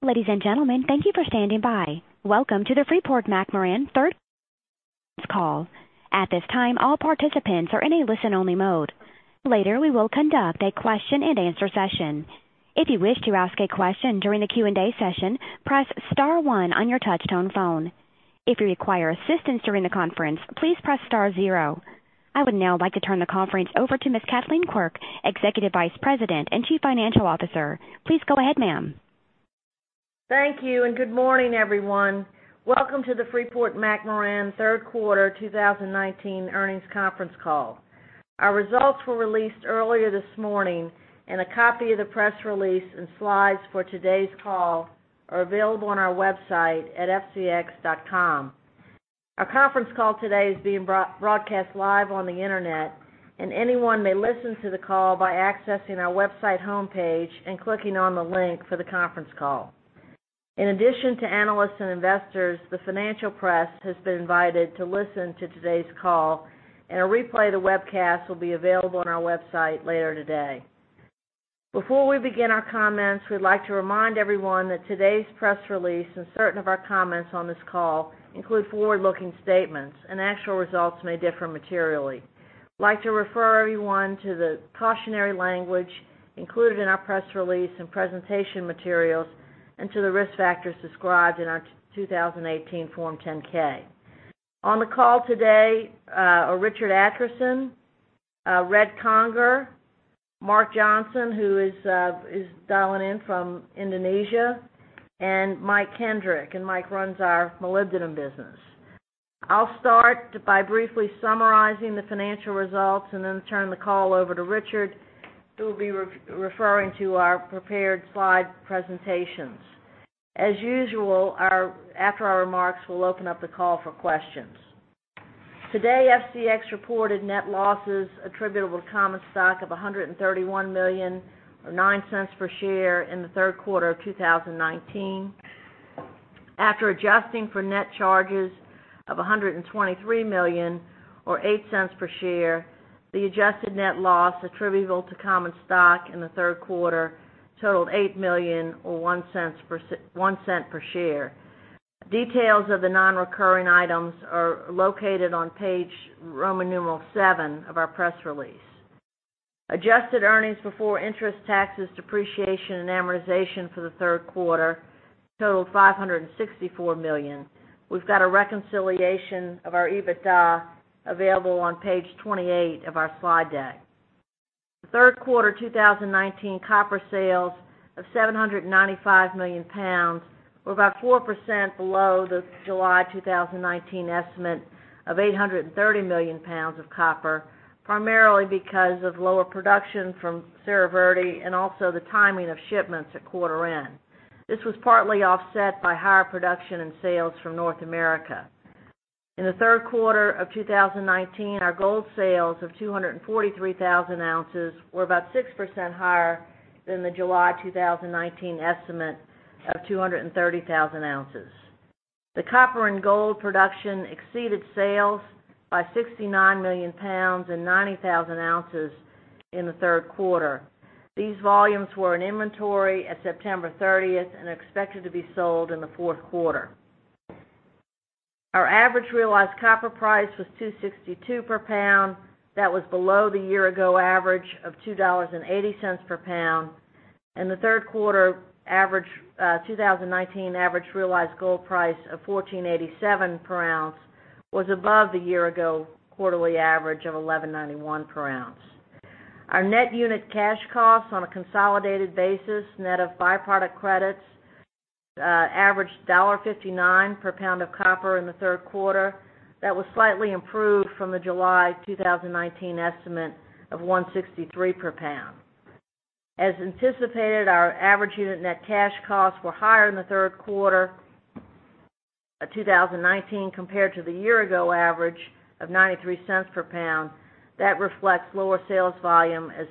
Ladies and gentlemen, thank you for standing by. Welcome to the Freeport-McMoRan third call. At this time, all participants are in a listen-only mode. Later, we will conduct a question and answer session. If you wish to ask a question during the Q&A session, press star one on your touch-tone phone. If you require assistance during the conference, please press star zero. I would now like to turn the conference over to Ms. Kathleen Quirk, Executive Vice President and Chief Financial Officer. Please go ahead, ma'am. Thank you, and good morning, everyone. Welcome to the Freeport-McMoRan third quarter 2019 earnings conference call. Our results were released earlier this morning, a copy of the press release and slides for today's call are available on our website at fcx.com. Our conference call today is being broadcast live on the internet, anyone may listen to the call by accessing our website homepage and clicking on the link for the conference call. In addition to analysts and investors, the financial press has been invited to listen to today's call, a replay of the webcast will be available on our website later today. Before we begin our comments, we'd like to remind everyone that today's press release and certain of our comments on this call include forward-looking statements, actual results may differ materially. We'd like to refer everyone to the cautionary language included in our press release and presentation materials and to the risk factors described in our 2018 Form 10-K. On the call today are Richard Adkerson, Red Conger, Mark Johnson, who is dialing in from Indonesia, and Mike Kendrick. Mike runs our molybdenum business. I'll start by briefly summarizing the financial results and then turn the call over to Richard, who will be referring to our prepared slide presentations. As usual, after our remarks, we'll open up the call for questions. Today, FCX reported net losses attributable to common stock of $131 million, or $0.09 per share in the third quarter of 2019. After adjusting for net charges of $123 million or $0.08 per share, the adjusted net loss attributable to common stock in the third quarter totaled $8 million or $0.01 per share. Details of the non-recurring items are located on page Roman numeral seven of our press release. Adjusted EBITDA for the third quarter totaled $564 million. We've got a reconciliation of our EBITDA available on page 28 of our slide deck. The third quarter 2019 copper sales of 795 million pounds were about 4% below the July 2019 estimate of 830 million pounds of copper, primarily because of lower production from Cerro Verde and also the timing of shipments at quarter end. This was partly offset by higher production and sales from North America. In the third quarter of 2019, our gold sales of 243,000 ounces were about 6% higher than the July 2019 estimate of 230,000 ounces. The copper and gold production exceeded sales by 69 million pounds and 90,000 ounces in the third quarter. These volumes were in inventory as of September 30th and are expected to be sold in the fourth quarter. Our average realized copper price was $2.62 per pound. That was below the year-ago average of $2.80 per pound. The third quarter 2019 average realized gold price of $1,487 per ounce was above the year-ago quarterly average of $1,191 per ounce. Our net unit cash costs on a consolidated basis, net of by-product credits, averaged $1.59 per pound of copper in the third quarter. That was slightly improved from the July 2019 estimate of $1.63 per pound. As anticipated, our average unit net cash costs were higher in the third quarter of 2019 compared to the year-ago average of $0.93 per pound. That reflects lower sales volume as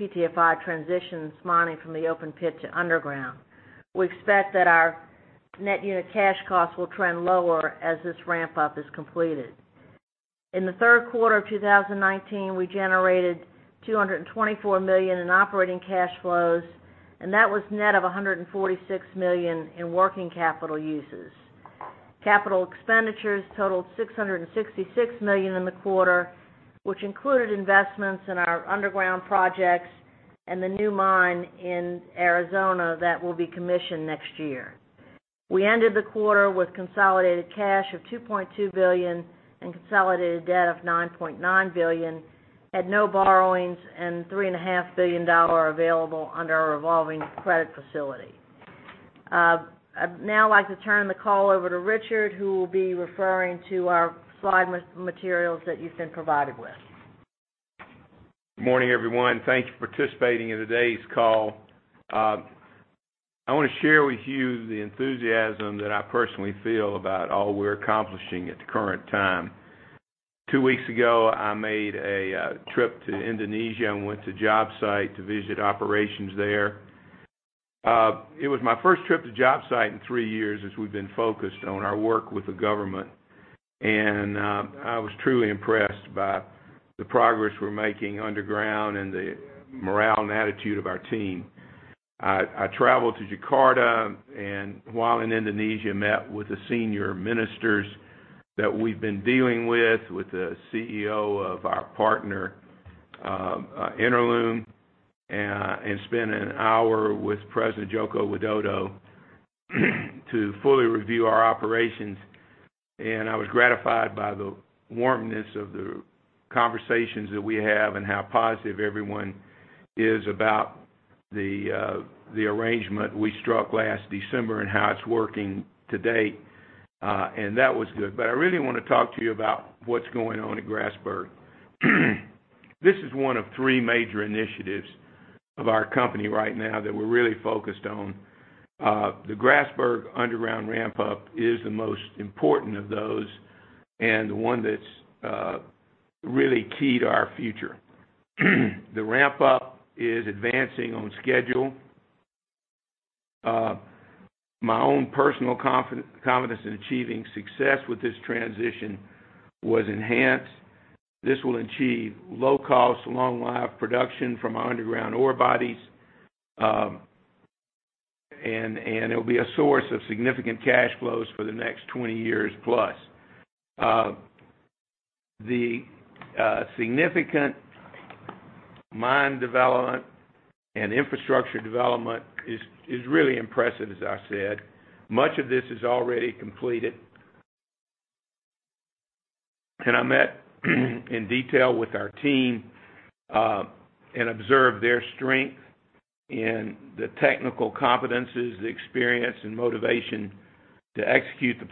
PTFI transitions mining from the open pit to underground. We expect that our net unit cash costs will trend lower as this ramp-up is completed. In the third quarter of 2019, we generated $224 million in operating cash flows, and that was net of $146 million in working capital uses. Capital expenditures totaled $666 million in the quarter, which included investments in our underground projects and the new mine in Arizona that will be commissioned next year. We ended the quarter with consolidated cash of $2.2 billion and consolidated debt of $9.9 billion, had no borrowings, and $3.5 billion available under our revolving credit facility. I'd now like to turn the call over to Richard, who will be referring to our slide materials that you've been provided with. Good morning, everyone. Thanks for participating in today's call. I want to share with you the enthusiasm that I personally feel about all we're accomplishing at the current time. Two weeks ago, I made a trip to Indonesia and went to job site to visit operations there. It was my first trip to job site in three years as we've been focused on our work with the government. I was truly impressed by the progress we're making underground and the morale and attitude of our team. I traveled to Jakarta, and while in Indonesia, met with the senior ministers that we've been dealing with the CEO of our partner, Inalum, and spent an hour with President Joko Widodo to fully review our operations. I was gratified by the warmness of the conversations that we have and how positive everyone is about the arrangement we struck last December and how it's working to date. That was good. I really want to talk to you about what's going on at Grasberg. This is one of three major initiatives of our company right now that we're really focused on. The Grasberg underground ramp up is the most important of those and the one that's really key to our future. The ramp up is advancing on schedule. My own personal confidence in achieving success with this transition was enhanced. This will achieve low-cost, long-life production from our underground ore bodies. It'll be a source of significant cash flows for the next 20 years plus. The significant mine development and infrastructure development is really impressive, as I said. Much of this is already completed. I met in detail with our team and observed their strength and the technical competences, the experience and motivation to execute the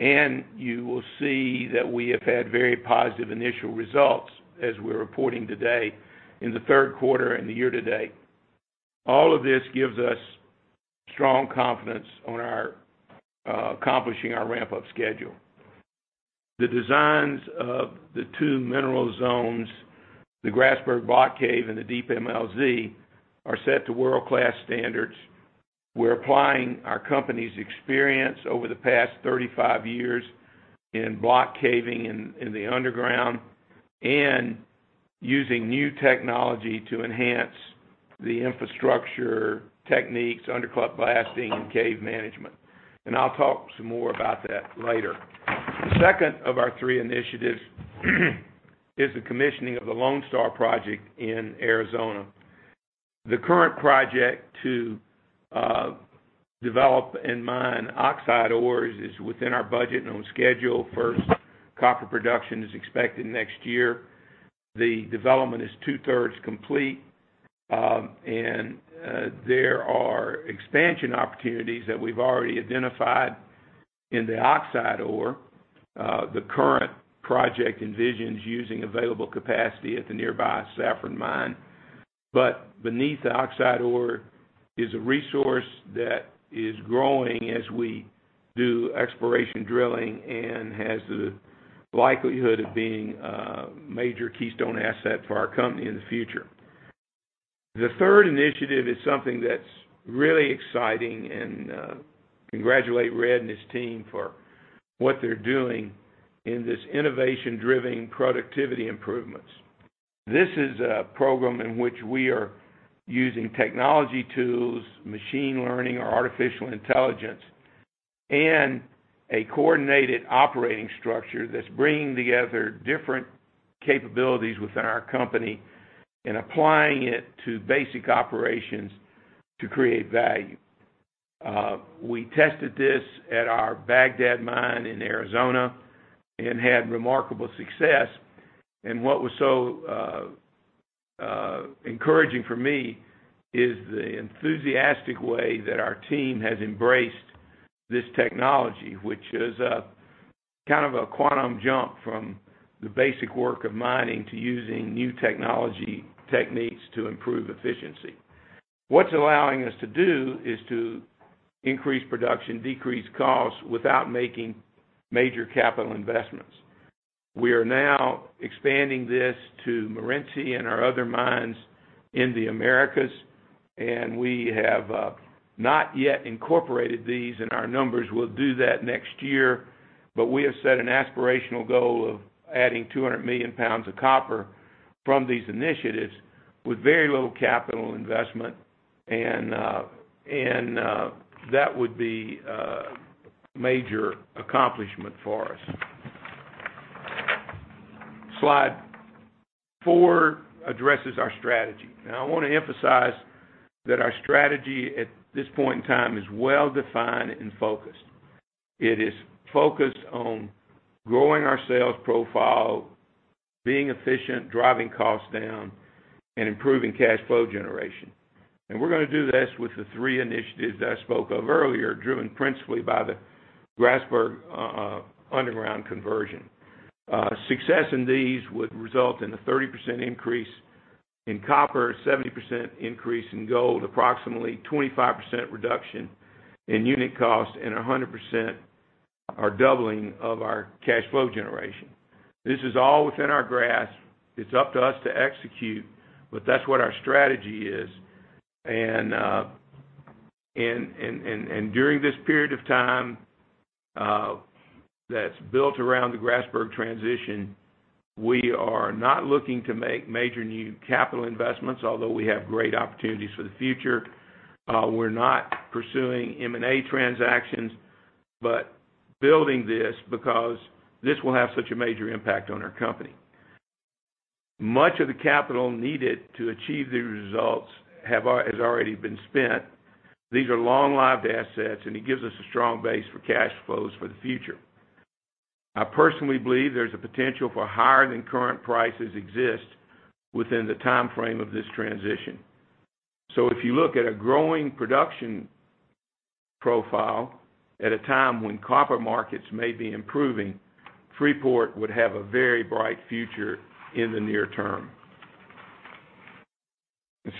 plan. You will see that we have had very positive initial results as we're reporting today in the third quarter and the year to date. All of this gives us strong confidence on our accomplishing our ramp-up schedule. The designs of the two mineral zones, the Grasberg Block Cave and the DMLZ, are set to world-class standards. We're applying our company's experience over the past 35 years in block caving in the underground and using new technology to enhance the infrastructure techniques, under-cut blasting and cave management. I'll talk some more about that later. The second of our three initiatives is the commissioning of the Lone Star project in Arizona. The current project to develop and mine oxide ores is within our budget and on schedule. First copper production is expected next year. The development is two-thirds complete. There are expansion opportunities that we've already identified in the oxide ore. The current project envisions using available capacity at the nearby Safford Mine. Beneath the oxide ore is a resource that is growing as we do exploration drilling and has the likelihood of being a major keystone asset for our company in the future. The third initiative is something that's really exciting. Congratulate Red and his team for what they're doing in this innovation-driven productivity improvements. This is a program in which we are using technology tools, machine learning or artificial intelligence, and a coordinated operating structure that's bringing together different capabilities within our company and applying it to basic operations to create value. We tested this at our Bagdad mine in Arizona and had remarkable success. What was so encouraging for me is the enthusiastic way that our team has embraced this technology, which is kind of a quantum jump from the basic work of mining to using new technology techniques to improve efficiency. What it's allowing us to do is to increase production, decrease costs without making major capital investments. We are now expanding this to Morenci and our other mines in the Americas. We have not yet incorporated these in our numbers. We'll do that next year. We have set an aspirational goal of adding 200 million pounds of copper from these initiatives with very little capital investment. That would be a major accomplishment for us. Slide four addresses our strategy. I want to emphasize that our strategy at this point in time is well-defined and focused. It is focused on growing our sales profile, being efficient, driving costs down, and improving cash flow generation. We're going to do this with the three initiatives that I spoke of earlier, driven principally by the Grasberg underground conversion. Success in these would result in a 30% increase in copper, 70% increase in gold, approximately 25% reduction in unit cost, and 100% or doubling of our cash flow generation. This is all within our grasp. It's up to us to execute, but that's what our strategy is. During this period of time that's built around the Grasberg transition, we are not looking to make major new capital investments, although we have great opportunities for the future. We're not pursuing M&A transactions, but building this because this will have such a major impact on our company. Much of the capital needed to achieve these results has already been spent. These are long-lived assets, and it gives us a strong base for cash flows for the future. I personally believe there's a potential for higher than current prices exist within the timeframe of this transition. If you look at a growing production profile at a time when copper markets may be improving, Freeport would have a very bright future in the near term.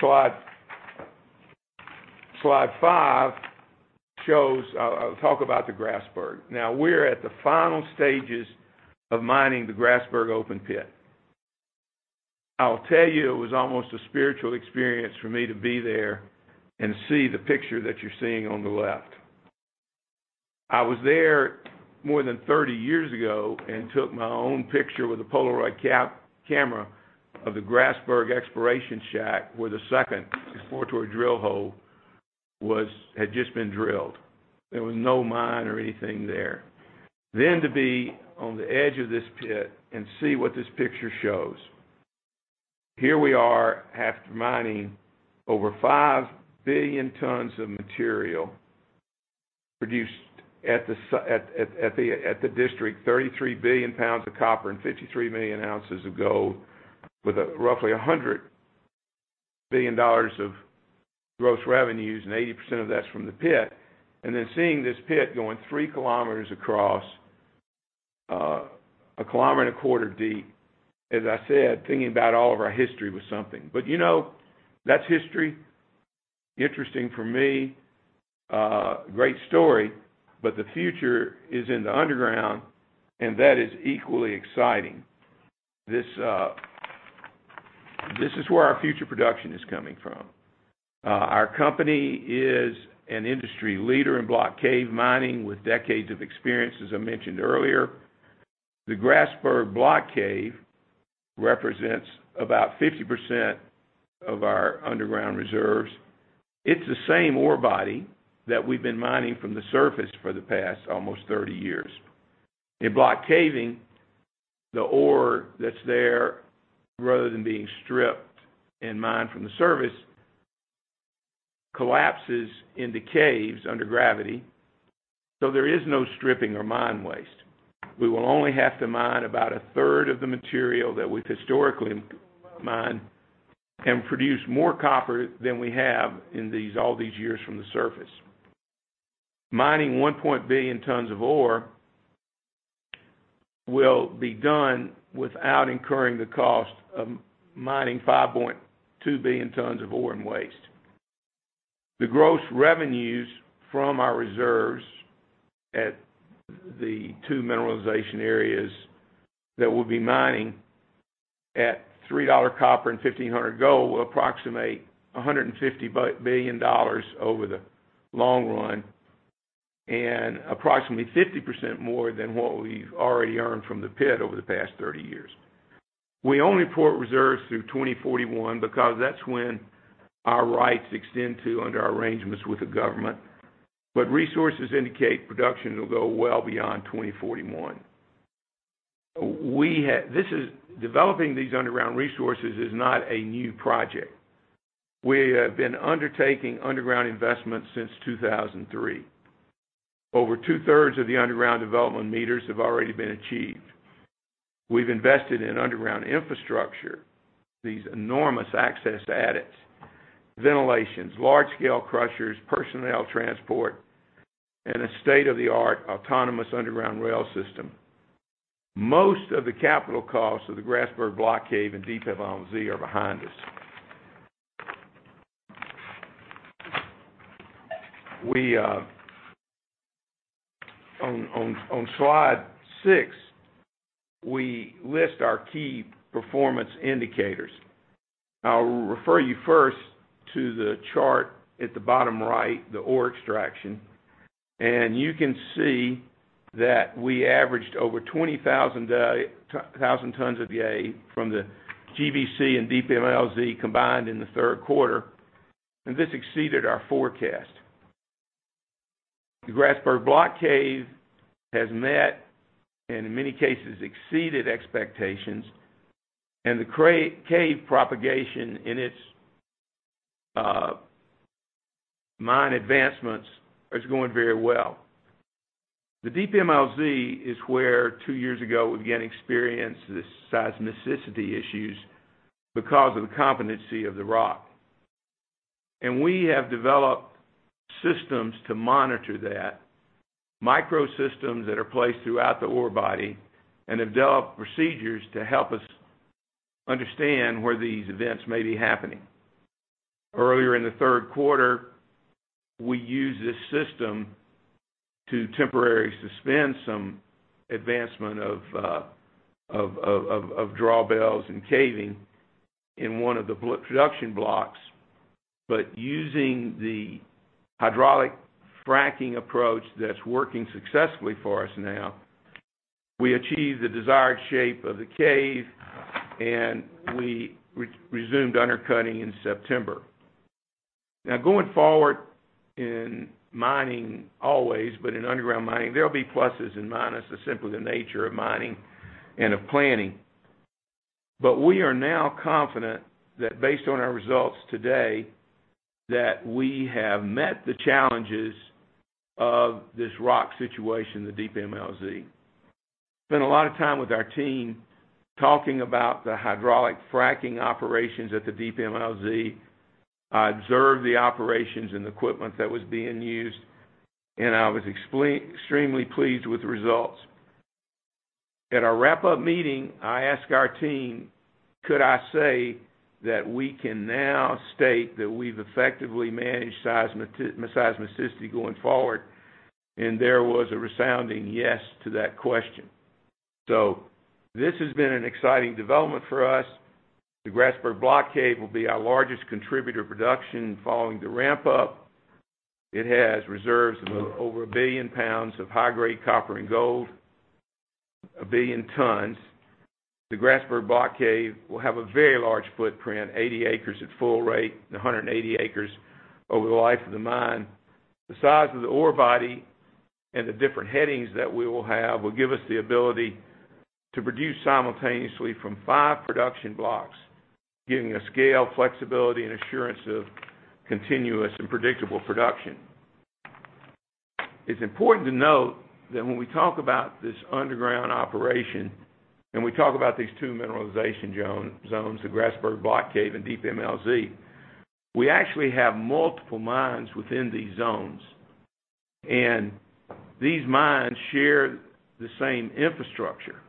Slide five, I'll talk about the Grasberg. We're at the final stages of mining the Grasberg open pit. I'll tell you, it was almost a spiritual experience for me to be there and see the picture that you're seeing on the left. I was there more than 30 years ago and took my own picture with a Polaroid camera of the Grasberg exploration shack, where the second exploratory drill hole had just been drilled. There was no mine or anything there. To be on the edge of this pit and see what this picture shows. Here we are after mining over five billion tons of material produced at the district, 33 billion pounds of copper and 53 million ounces of gold with roughly $100 billion of gross revenues, and 80% of that's from the pit. Seeing this pit going three kilometers across, a kilometer and a quarter deep. As I said, thinking about all of our history was something. That's history. Interesting for me, great story, but the future is in the underground, and that is equally exciting. This is where our future production is coming from. Our company is an industry leader in block cave mining with decades of experience, as I mentioned earlier. The Grasberg block cave represents about 50% of our underground reserves. It's the same ore body that we've been mining from the surface for the past almost 30 years. In block caving, the ore that's there, rather than being stripped and mined from the surface, collapses into caves under gravity. There is no stripping or mine waste. We will only have to mine about a third of the material that we've historically mined and produce more copper than we have in all these years from the surface. Mining 1 point billion tons of ore will be done without incurring the cost of mining 5.2 billion tons of ore and waste. The gross revenues from our reserves at the two mineralization areas that we'll be mining at $3 copper and $1,500 gold will approximate $150 billion over the long run, and approximately 50% more than what we've already earned from the pit over the past 30 years. We only report reserves through 2041 because that's when our rights extend to under our arrangements with the government. Resources indicate production will go well beyond 2041. Developing these underground resources is not a new project. We have been undertaking underground investments since 2003. Over two-thirds of the underground development meters have already been achieved. We've invested in underground infrastructure, these enormous access adits, ventilations, large-scale crushers, personnel transport, and a state-of-the-art autonomous underground rail system. Most of the capital costs of the Grasberg Block Cave and Deep MLZ are behind us. On slide six, we list our key performance indicators. I'll refer you first to the chart at the bottom right, the ore extraction, and you can see that we averaged over 20,000 tons per day from the GBC and Deep MLZ combined in the third quarter, and this exceeded our forecast. The Grasberg Block Cave has met, and in many cases, exceeded expectations, and the cave propagation in its mine advancements is going very well. The Deep MLZ is where two years ago, again, experienced seismicity issues because of the competency of the rock. We have developed systems to monitor that, microsystems that are placed throughout the ore body and have developed procedures to help us understand where these events may be happening. Earlier in the third quarter, we used this system to temporarily suspend some advancement of drawbells and caving in one of the production blocks. Using the hydraulic fracking approach that's working successfully for us now, we achieved the desired shape of the cave, and we resumed undercutting in September. Going forward in mining always, but in underground mining, there'll be pluses and minuses, simply the nature of mining and of planning. We are now confident that based on our results today that we have met the challenges of this rock situation, the Deep MLZ. Spent a lot of time with our team talking about the hydraulic fracking operations at the DMLZ. I observed the operations and equipment that was being used, I was extremely pleased with the results. At our wrap-up meeting, I asked our team, could I say that we can now state that we've effectively managed seismicity going forward? There was a resounding yes to that question. This has been an exciting development for us. The Grasberg Block Cave will be our largest contributor production following the ramp up. It has reserves of over 1 billion pounds of high-grade copper and gold, 1 billion tons. The Grasberg Block Cave will have a very large footprint, 80 acres at full rate, 180 acres over the life of the mine. The size of the ore body and the different headings that we will have will give us the ability to produce simultaneously from five production blocks, giving us scale, flexibility, and assurance of continuous and predictable production. It's important to note that when we talk about this underground operation and we talk about these two mineralization zones, the Grasberg Block Cave and Deep MLZ, we actually have multiple mines within these zones, and these mines share the same infrastructure.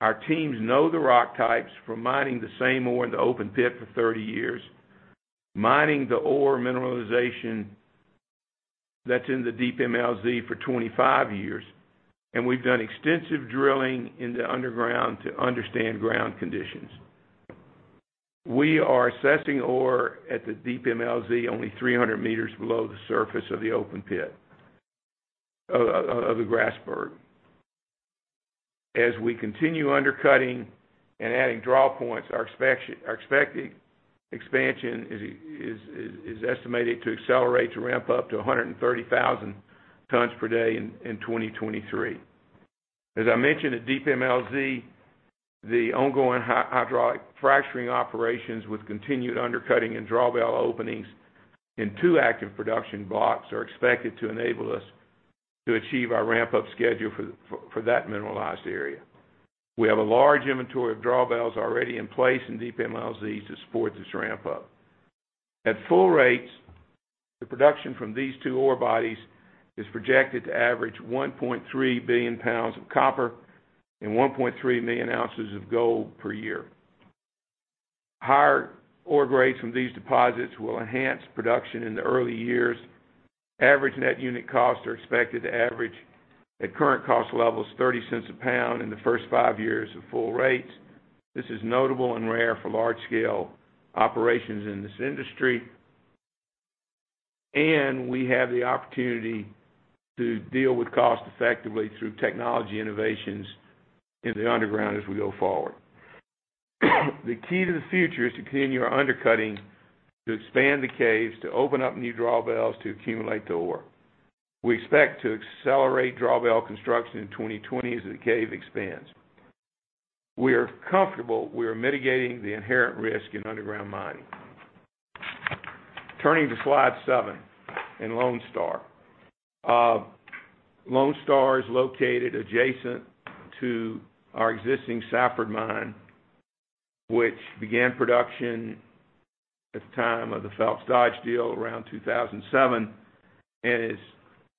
Our teams know the rock types from mining the same ore in the open pit for 30 years, mining the ore mineralization that's in the Deep MLZ for 25 years, and we've done extensive drilling in the underground to understand ground conditions. We are assessing ore at the Deep MLZ only 300 meters below the surface of the open pit of the Grasberg. As we continue undercutting and adding draw points, our expected expansion is estimated to accelerate to ramp up to 130,000 tons per day in 2023. As I mentioned, at Deep MLZ, the ongoing hydraulic fracturing operations with continued undercutting and drawbell openings in two active production blocks are expected to enable us to achieve our ramp-up schedule for that mineralized area. We have a large inventory of drawbells already in place in Deep MLZ to support this ramp up. At full rates, the production from these two ore bodies is projected to average 1.3 billion pounds of copper and 1.3 million ounces of gold per year. Higher ore grades from these deposits will enhance production in the early years. Average net unit costs are expected to average at current cost levels, $0.30 a pound in the first five years of full rates. This is notable and rare for large-scale operations in this industry, we have the opportunity to deal with cost effectively through technology innovations in the underground as we go forward. The key to the future is to continue our undercutting, to expand the caves, to open up new drawbells to accumulate the ore. We expect to accelerate drawbell construction in 2020 as the cave expands. We are comfortable we are mitigating the inherent risk in underground mining. Turning to slide seven in Lone Star. Lone Star is located adjacent to our existing Safford mine, which began production at the time of the Phelps Dodge deal around 2007,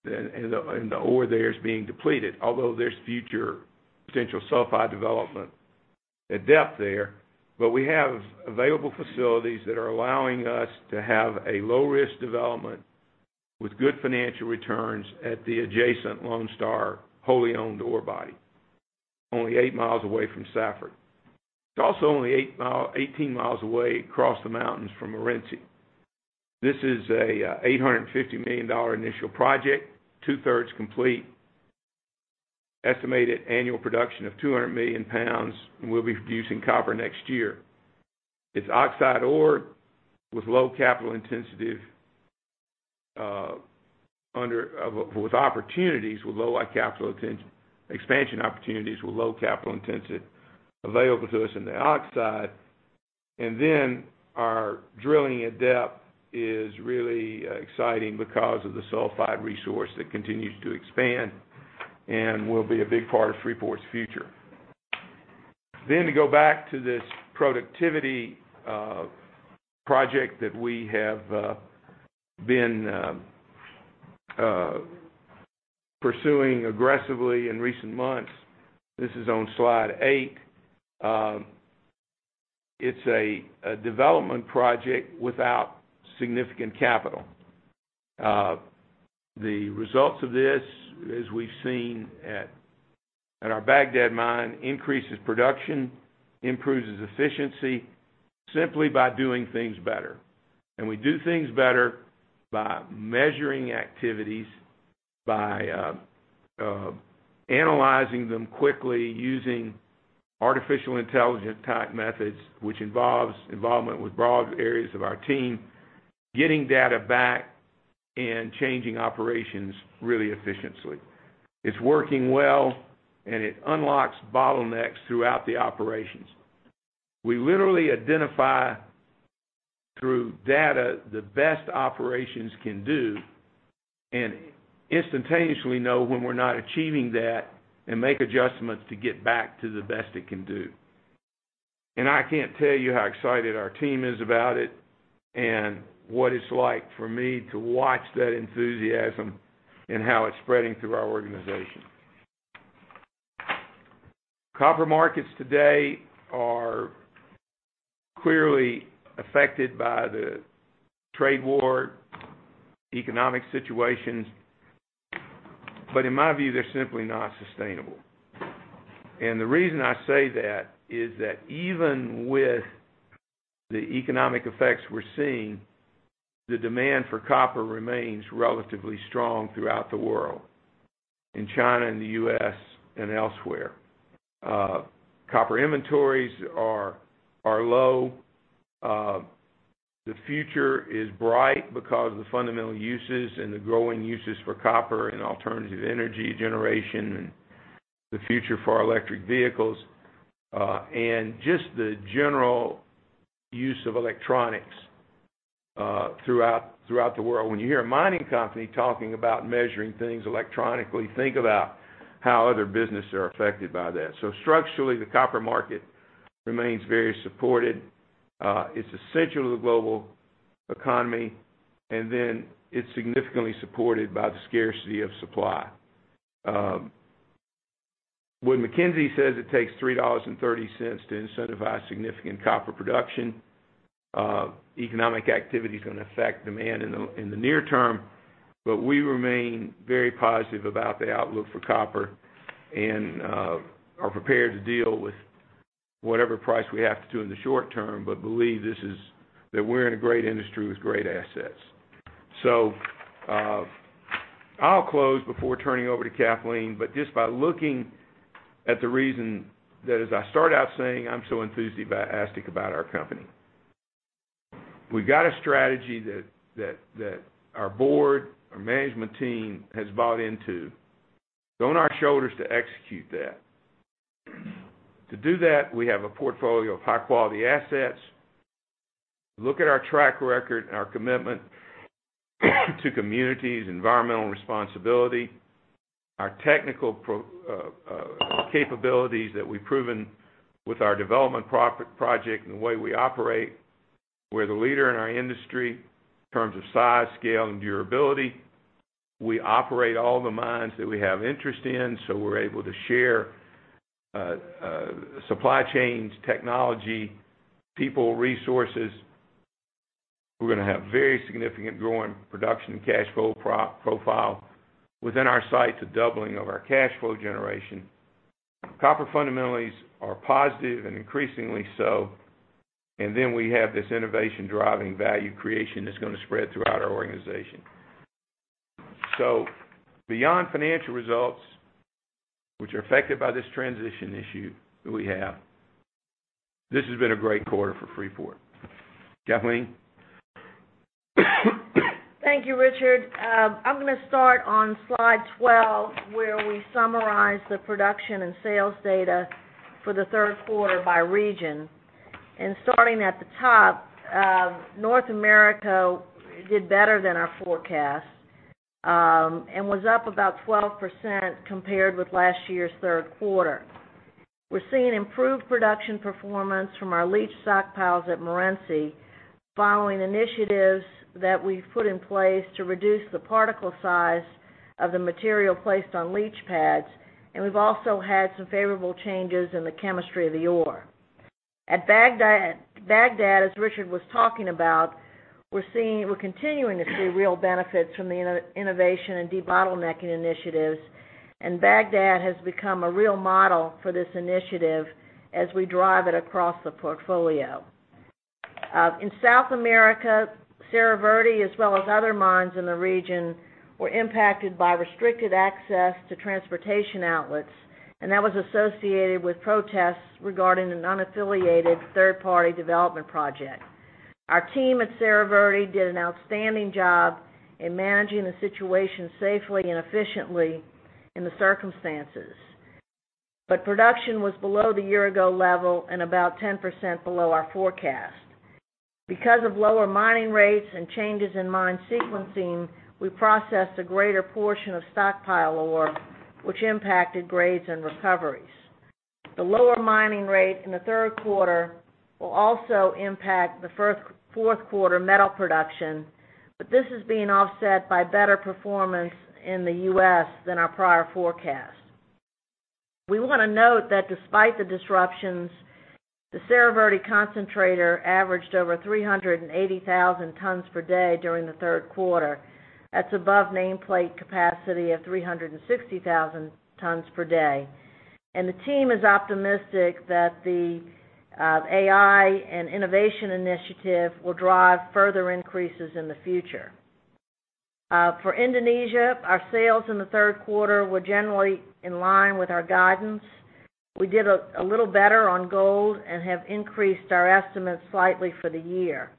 the ore there is being depleted, although there's future potential sulfide development at depth there. We have available facilities that are allowing us to have a low-risk development with good financial returns at the adjacent Lone Star wholly owned ore body, only eight miles away from Safford. It's also only 18 miles away across the mountains from Morenci. This is a $850 million initial project, two-thirds complete. Estimated annual production of 200 million pounds, we'll be producing copper next year. It's oxide ore with low capital intensity, with expansion opportunities with low capital intensity available to us in the oxide. Our drilling at depth is really exciting because of the sulfide resource that continues to expand and will be a big part of Freeport's future. To go back to this productivity project that we have been pursuing aggressively in recent months. This is on slide eight. It's a development project without significant capital. The results of this, as we've seen at our Bagdad mine, increases production, improves efficiency simply by doing things better. We do things better by measuring activities, by analyzing them quickly using artificial intelligence type methods, which involves involvement with broad areas of our team, getting data back, and changing operations really efficiently. It's working well, and it unlocks bottlenecks throughout the operations. We literally identify through data the best operations can do and instantaneously know when we're not achieving that and make adjustments to get back to the best it can do. I can't tell you how excited our team is about it and what it's like for me to watch that enthusiasm and how it's spreading through our organization. Copper markets today are clearly affected by the trade war, economic situations. In my view, they're simply not sustainable. The reason I say that is that even with the economic effects we're seeing, the demand for copper remains relatively strong throughout the world, in China, in the U.S., and elsewhere. Copper inventories are low. The future is bright because of the fundamental uses and the growing uses for copper in alternative energy generation and the future for electric vehicles, and just the general use of electronics throughout the world. When you hear a mining company talking about measuring things electronically, think about how other businesses are affected by that. Structurally, the copper market remains very supported. It's essential to the global economy, and then it's significantly supported by the scarcity of supply. When McKinsey says it takes $3.30 to incentivize significant copper production, economic activity is going to affect demand in the near term. We remain very positive about the outlook for copper and are prepared to deal with whatever price we have to in the short term. Believe that we're in a great industry with great assets. I'll close before turning over to Kathleen. Just by looking at the reason that as I start out saying I'm so enthusiastic about our company. We've got a strategy that our board, our management team has bought into. It's on our shoulders to execute that. To do that, we have a portfolio of high-quality assets. Look at our track record and our commitment to communities, environmental responsibility, our technical capabilities that we've proven with our development project and the way we operate. We're the leader in our industry in terms of size, scale, and durability. We operate all the mines that we have interest in. We're able to share supply chains, technology, people, resources. We're going to have very significant growing production and cash flow profile within our sites, a doubling of our cash flow generation. Copper fundamentals are positive and increasingly so. We have this innovation driving value creation that's going to spread throughout our organization. Beyond financial results, which are affected by this transition issue that we have, this has been a great quarter for Freeport. Kathleen? Thank you, Richard. I'm going to start on slide 12, where we summarize the production and sales data for the third quarter by region. Starting at the top, North America did better than our forecast and was up about 12% compared with last year's third quarter. We're seeing improved production performance from our leach stockpiles at Morenci following initiatives that we've put in place to reduce the particle size of the material placed on leach pads. We've also had some favorable changes in the chemistry of the ore. At Bagdad, as Richard was talking about, we're continuing to see real benefits from the innovation and debottlenecking initiatives. Bagdad has become a real model for this initiative as we drive it across the portfolio. In South America, Cerro Verde as well as other mines in the region were impacted by restricted access to transportation outlets. That was associated with protests regarding an unaffiliated third-party development project. Our team at Cerro Verde did an outstanding job in managing the situation safely and efficiently in the circumstances. Production was below the year-ago level and about 10% below our forecast. Because of lower mining rates and changes in mine sequencing, we processed a greater portion of stockpile ore, which impacted grades and recoveries. The lower mining rate in the third quarter will also impact the fourth quarter metal production. This is being offset by better performance in the U.S. than our prior forecast. We want to note that despite the disruptions, the Cerro Verde concentrator averaged over 380,000 tons per day during the third quarter. That's above nameplate capacity of 360,000 tons per day. The team is optimistic that the AI and innovation initiative will drive further increases in the future. For Indonesia, our sales in the third quarter were generally in line with our guidance. We did a little better on gold and have increased our estimates slightly for the year.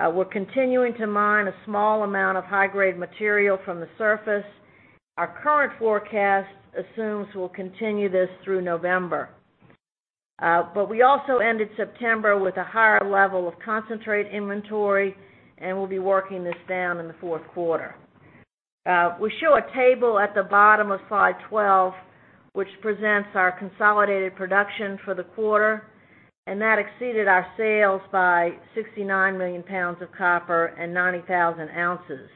We're continuing to mine a small amount of high-grade material from the surface. Our current forecast assumes we'll continue this through November. We also ended September with a higher level of concentrate inventory, and we'll be working this down in the fourth quarter. We show a table at the bottom of slide 12, which presents our consolidated production for the quarter, and that exceeded our sales by 69 million pounds of copper and 90,000 ounces.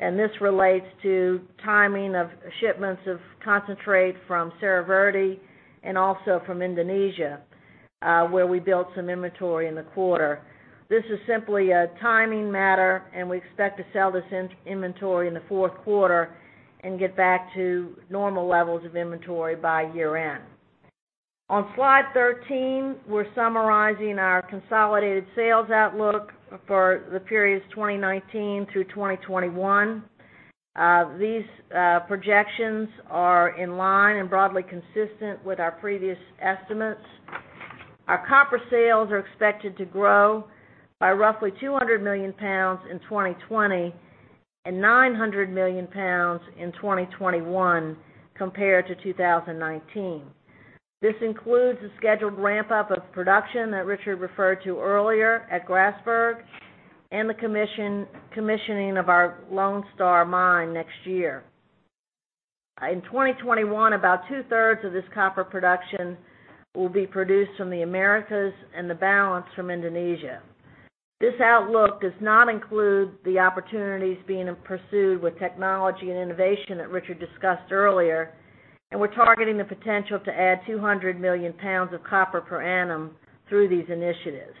This relates to timing of shipments of concentrate from Cerro Verde and also from Indonesia, where we built some inventory in the quarter. This is simply a timing matter, and we expect to sell this inventory in the fourth quarter and get back to normal levels of inventory by year-end. On slide 13, we're summarizing our consolidated sales outlook for the periods 2019 through 2021. These projections are in line and broadly consistent with our previous estimates. Our copper sales are expected to grow by roughly 200 million pounds in 2020 and 900 million pounds in 2021 compared to 2019. This includes the scheduled ramp-up of production that Richard referred to earlier at Grasberg and the commissioning of our Lone Star mine next year. In 2021, about two-thirds of this copper production will be produced from the Americas and the balance from Indonesia. This outlook does not include the opportunities being pursued with technology and innovation that Richard discussed earlier. We're targeting the potential to add 200 million pounds of copper per annum through these initiatives.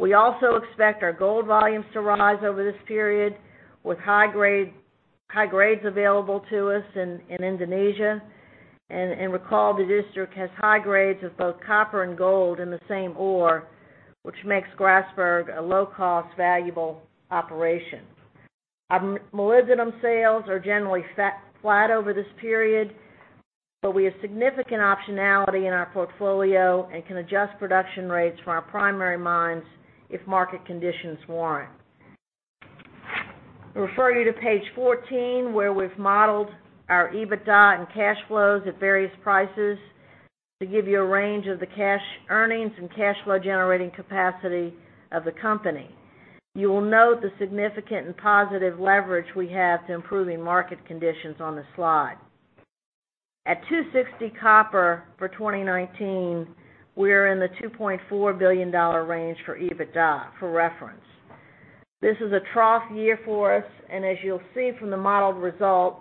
We also expect our gold volumes to rise over this period with high grades available to us in Indonesia. Recall the district has high grades of both copper and gold in the same ore, which makes Grasberg a low-cost, valuable operation. Our molybdenum sales are generally flat over this period. We have significant optionality in our portfolio and can adjust production rates from our primary mines if market conditions warrant. I refer you to page 14, where we've modeled our EBITDA and cash flows at various prices to give you a range of the cash earnings and cash flow generating capacity of the company. You will note the significant and positive leverage we have to improving market conditions on the slide. At $2.60 copper for 2019, we're in the $2.4 billion range for EBITDA for reference. This is a trough year for us, and as you'll see from the modeled result,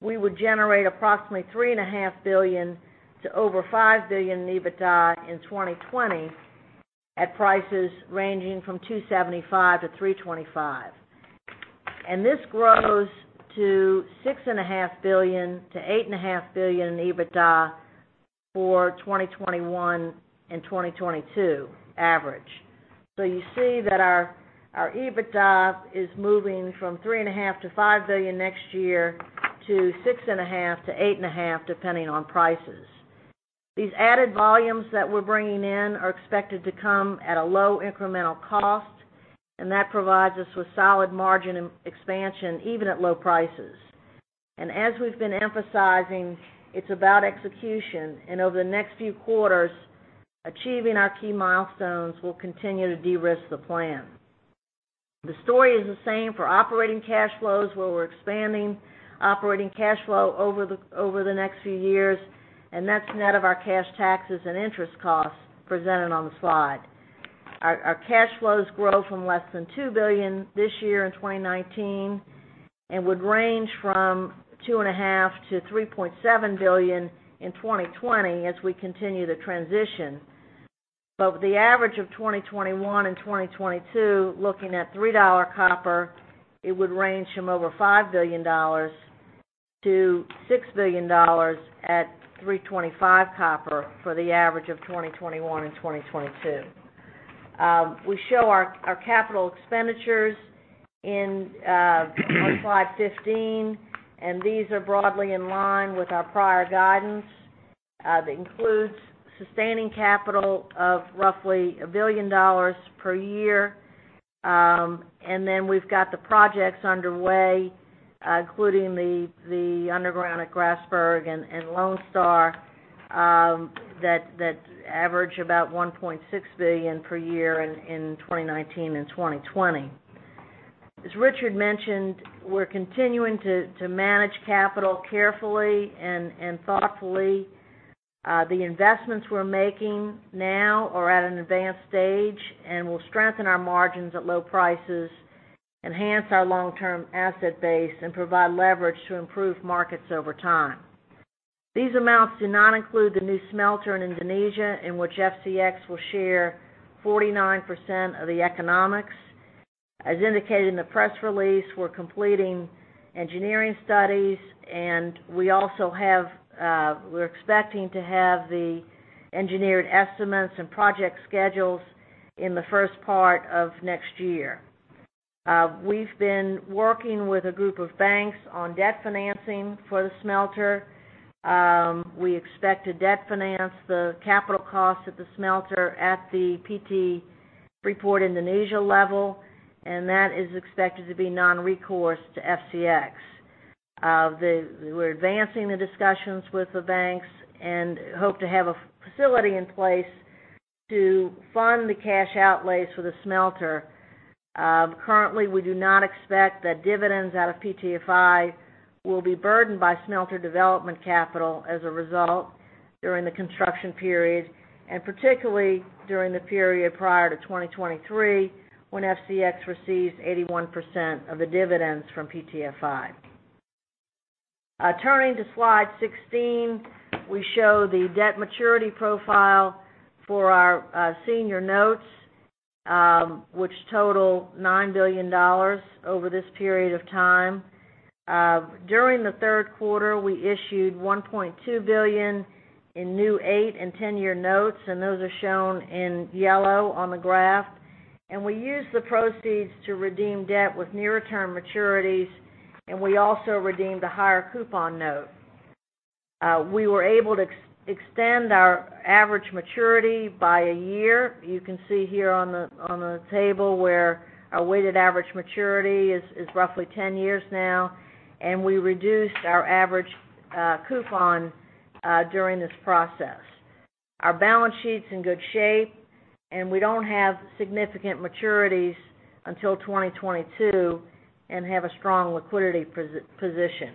we would generate approximately $3.5 billion to over $5 billion in EBITDA in 2020 at prices ranging from $2.75-$3.25. This grows to $6.5 billion-$8.5 billion in EBITDA for 2021 and 2022 average. You see that our EBITDA is moving from $3.5 billion-$5 billion next year to $6.5 billion-$8.5 billion depending on prices. These added volumes that we're bringing in are expected to come at a low incremental cost, and that provides us with solid margin expansion even at low prices. As we've been emphasizing, it's about execution, and over the next few quarters, achieving our key milestones will continue to de-risk the plan. The story is the same for operating cash flows, where we're expanding operating cash flow over the next few years, and that's net of our cash taxes and interest costs presented on the slide. Our cash flows grow from less than $2 billion this year in 2019 and would range from $2.5 billion-$3.7 billion in 2020 as we continue to transition. With the average of 2021 and 2022, looking at $3 copper, it would range from over $5 billion-$6 billion at $3.25 copper for the average of 2021 and 2022. We show our capital expenditures on slide 15, and these are broadly in line with our prior guidance. That includes sustaining capital of roughly $1 billion per year. We've got the projects underway, including the underground at Grasberg and Lone Star, that average about $1.6 billion per year in 2019 and 2020. As Richard mentioned, we're continuing to manage capital carefully and thoughtfully. The investments we're making now are at an advanced stage and will strengthen our margins at low prices, enhance our long-term asset base, and provide leverage to improve markets over time. These amounts do not include the new smelter in Indonesia, in which FCX will share 49% of the economics. As indicated in the press release, we're completing engineering studies, and we're expecting to have the engineered estimates and project schedules in the first part of next year. We've been working with a group of banks on debt financing for the smelter. We expect to debt finance the capital costs of the smelter at the PT Freeport Indonesia level, and that is expected to be non-recourse to FCX. We're advancing the discussions with the banks and hope to have a facility in place to fund the cash outlays for the smelter. Currently, we do not expect that dividends out of PTFI will be burdened by smelter development capital as a result during the construction period, and particularly during the period prior to 2023, when FCX receives 81% of the dividends from PTFI. Turning to slide 16, we show the debt maturity profile for our senior notes, which total $9 billion over this period of time. During the third quarter, we issued $1.2 billion in new eight and 10-year notes, and those are shown in yellow on the graph. We used the proceeds to redeem debt with near-term maturities, and we also redeemed a higher coupon note. We were able to extend our average maturity by a year. You can see here on the table where our weighted average maturity is roughly 10 years now, and we reduced our average coupon during this process. Our balance sheet's in good shape, and we don't have significant maturities until 2022 and have a strong liquidity position.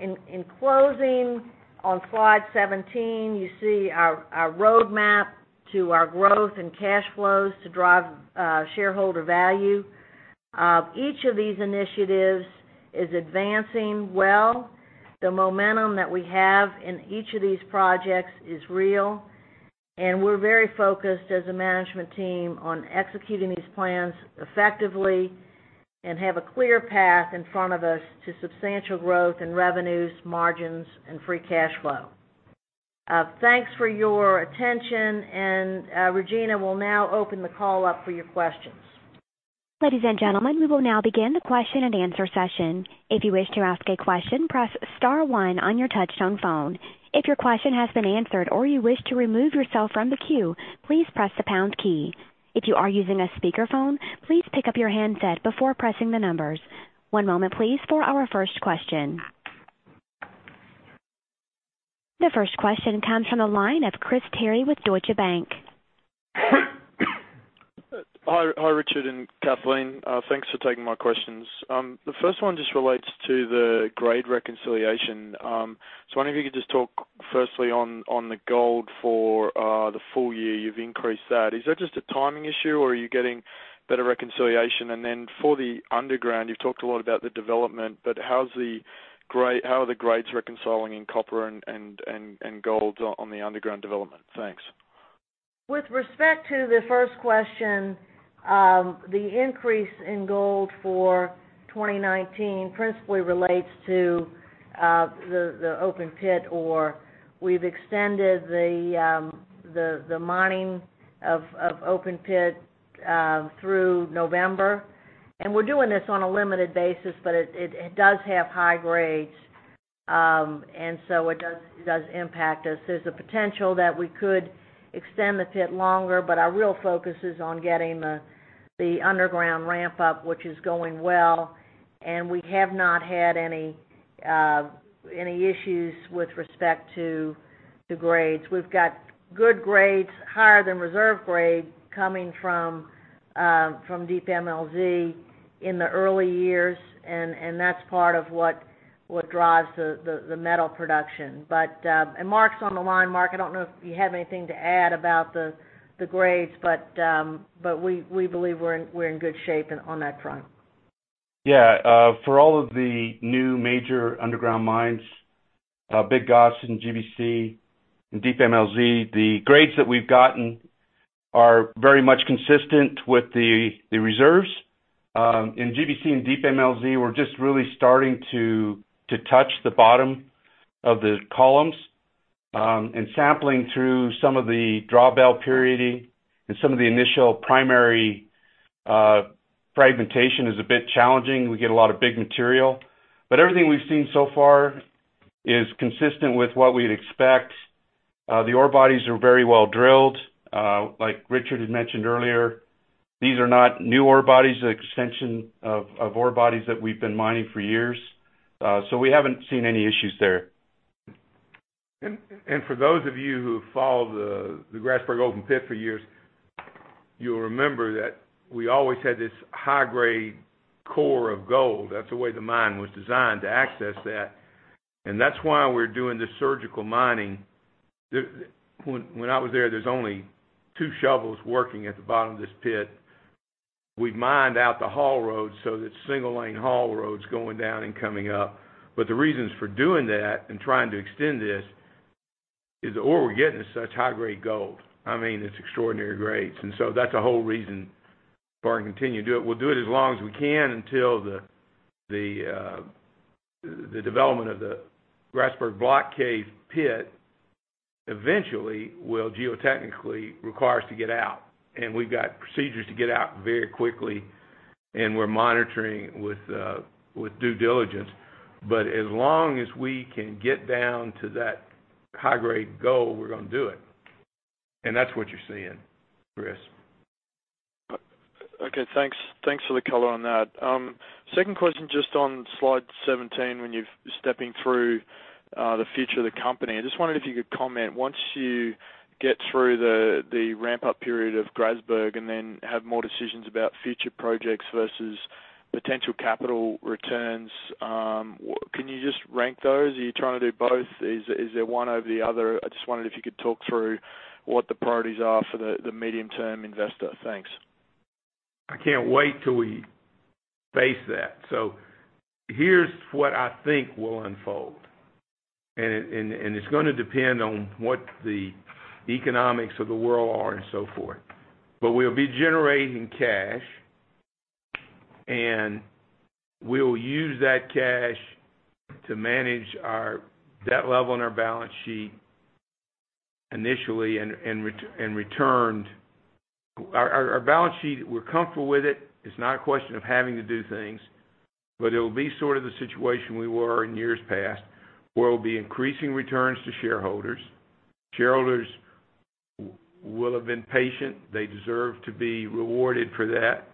In closing, on slide 17, you see our roadmap to our growth and cash flows to drive shareholder value. Each of these initiatives is advancing well. The momentum that we have in each of these projects is real, and we're very focused as a management team on executing these plans effectively and have a clear path in front of us to substantial growth in revenues, margins, and free cash flow. Thanks for your attention. Regina will now open the call up for your questions. Ladies and gentlemen, we will now begin the question and answer session. If you wish to ask a question, press star one on your touchtone phone. If your question has been answered or you wish to remove yourself from the queue, please press the star key. If you are using a speakerphone, please pick up your handset before pressing the numbers. One moment, please, for our first question. The first question comes from the line of Chris Terry with Deutsche Bank. Hi, Richard and Kathleen. Thanks for taking my questions. The first one just relates to the grade reconciliation. I wonder if you could just talk firstly on the gold for the full year. You've increased that. Is that just a timing issue, or are you getting better reconciliation? For the underground, you've talked a lot about the development, but how are the grades reconciling in copper and gold on the underground development? Thanks. With respect to the first question, the increase in gold for 2019 principally relates to the open pit ore. We've extended the mining of open pit through November. We're doing this on a limited basis, but it does have high grades, and so it does impact us. There's a potential that we could extend the pit longer, but our real focus is on getting the underground ramp up, which is going well, and we have not had any issues with respect to the grades. We've got good grades, higher than reserve grade, coming from DMLZ in the early years, and that's part of what drives the metal production. Mark's on the line. Mark, I don't know if you have anything to add about the grades, but we believe we're in good shape on that front. Yeah. For all of the new major underground mines, Big Gossan, GBC, and Deep MLZ, the grades that we've gotten are very much consistent with the reserves. Sampling through some of the drawbell pyrite and some of the initial primary fragmentation is a bit challenging. We get a lot of big material. Everything we've seen so far is consistent with what we'd expect. The ore bodies are very well drilled. Like Richard had mentioned earlier, these are not new ore bodies. They're extension of ore bodies that we've been mining for years. We haven't seen any issues there. For those of you who have followed the Grasberg open pit for years, you'll remember that we always had this high-grade core of gold. That's the way the mine was designed, to access that. That's why we're doing this surgical mining. When I was there's only two shovels working at the bottom of this pit. We mined out the haul road so that single-lane haul road's going down and coming up. The reasons for doing that and trying to extend this is the ore we're getting is such high-grade gold. I mean, it's extraordinary grades. That's a whole reason for continuing to do it. We'll do it as long as we can until the development of the Grasberg Block Cave pit eventually will geotechnically require us to get out, and we've got procedures to get out very quickly, and we're monitoring with due diligence. As long as we can get down to that high-grade gold, we're going to do it. That's what you're seeing, Chris. Okay, thanks. Thanks for the color on that. Second question, just on slide 17, when you're stepping through the future of the company. I just wondered if you could comment, once you get through the ramp-up period of Grasberg and then have more decisions about future projects versus potential capital returns, can you just rank those? Are you trying to do both? Is there one over the other? I just wondered if you could talk through what the priorities are for the medium-term investor. Thanks. I can't wait till we face that. Here's what I think will unfold, and it's going to depend on what the economics of the world are and so forth. We'll be generating cash, and we'll use that cash to manage our debt level and our balance sheet initially. Our balance sheet, we're comfortable with it. It's not a question of having to do things, but it'll be sort of the situation we were in years past, where we'll be increasing returns to shareholders. Shareholders will have been patient. They deserve to be rewarded for that.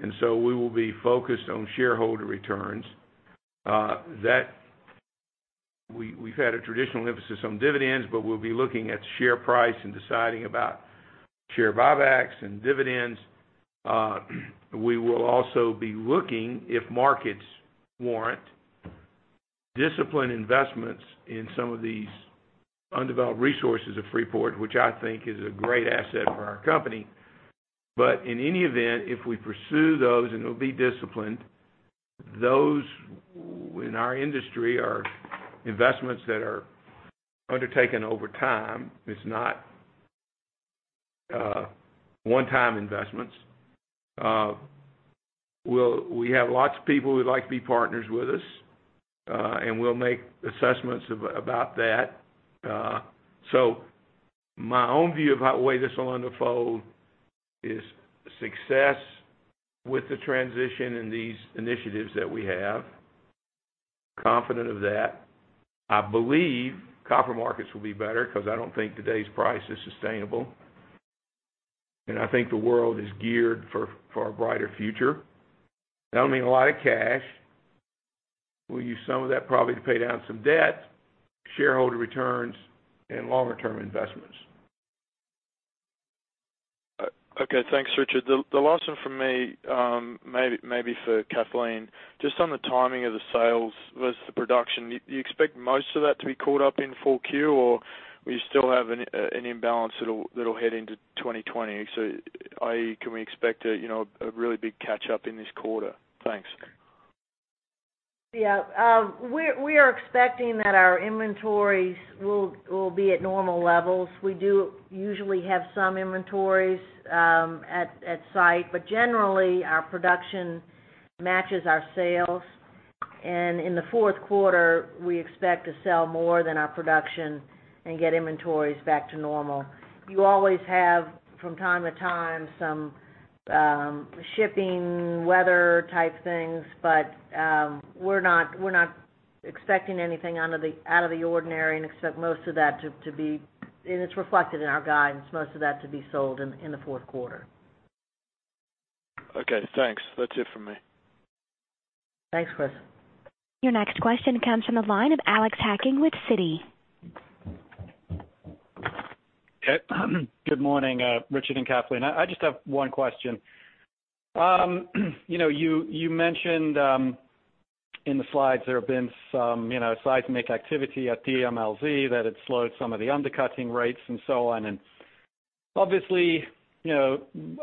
We will be focused on shareholder returns. We've had a traditional emphasis on dividends, but we'll be looking at share price and deciding about share buybacks and dividends. We will also be looking, if markets warrant, discipline investments in some of these undeveloped resources of Freeport, which I think is a great asset for our company. In any event, if we pursue those, and it'll be disciplined, those in our industry are investments that are undertaken over time. It's not one-time investments. We have lots of people who would like to be partners with us, and we'll make assessments about that. My own view of the way this will unfold is success with the transition and these initiatives that we have. Confident of that. I believe copper markets will be better because I don't think today's price is sustainable, and I think the world is geared for a brighter future. That'll mean a lot of cash. We'll use some of that probably to pay down some debt, shareholder returns, and longer-term investments. Okay. Thanks, Richard. The last one from me, maybe for Kathleen. Just on the timing of the sales versus the production, do you expect most of that to be caught up in full Q or we still have an imbalance that'll head into 2020? I.e., can we expect a really big catch-up in this quarter? Thanks. Yeah. We are expecting that our inventories will be at normal levels. We do usually have some inventories at site, but generally, our production matches our sales. In the fourth quarter, we expect to sell more than our production and get inventories back to normal. You always have, from time to time, some shipping, weather type things, but we're not expecting anything out of the ordinary, and it's reflected in our guidance, most of that to be sold in the fourth quarter. Okay, thanks. That's it from me. Thanks, Chris. Your next question comes from the line of Alex Hacking with Citi. Good morning, Richard and Kathleen. I just have one question. You mentioned in the slides there have been some seismic activity at DMLZ, that it slowed some of the undercutting rates and so on, and obviously,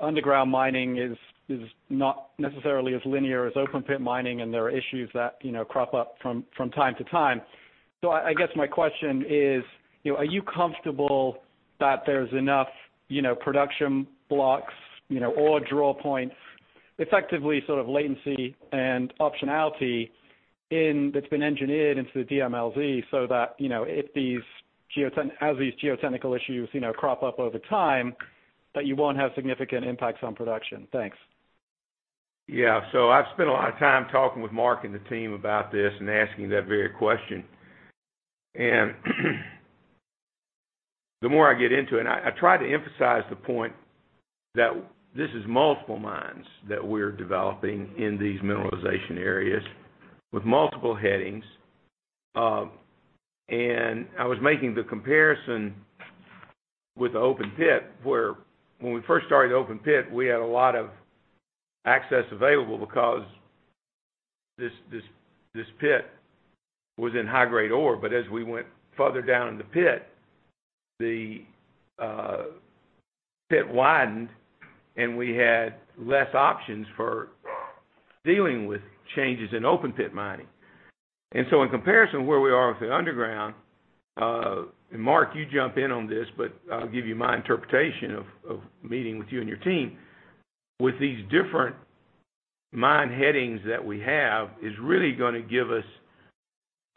underground mining is not necessarily as linear as open-pit mining, and there are issues that crop up from time to time. I guess my question is, are you comfortable that there's enough production blocks, ore draw points, effectively sort of latency and optionality that's been engineered into the DMLZ so that as these geotechnical issues crop up over time, that you won't have significant impacts on production? Thanks. Yeah. I've spent a lot of time talking with Mark and the team about this and asking that very question. The more I get into it, I try to emphasize the point that this is multiple mines that we're developing in these mineralization areas with multiple headings. I was making the comparison with the open pit, where when we first started the open pit, we had a lot of access available because this pit was in high-grade ore. As we went further down in the pit, the pit widened, and we had less options for dealing with changes in open pit mining. In comparison to where we are with the underground, and Mark, you jump in on this, but I'll give you my interpretation of meeting with you and your team. With these different mine headings that we have, is really going to give us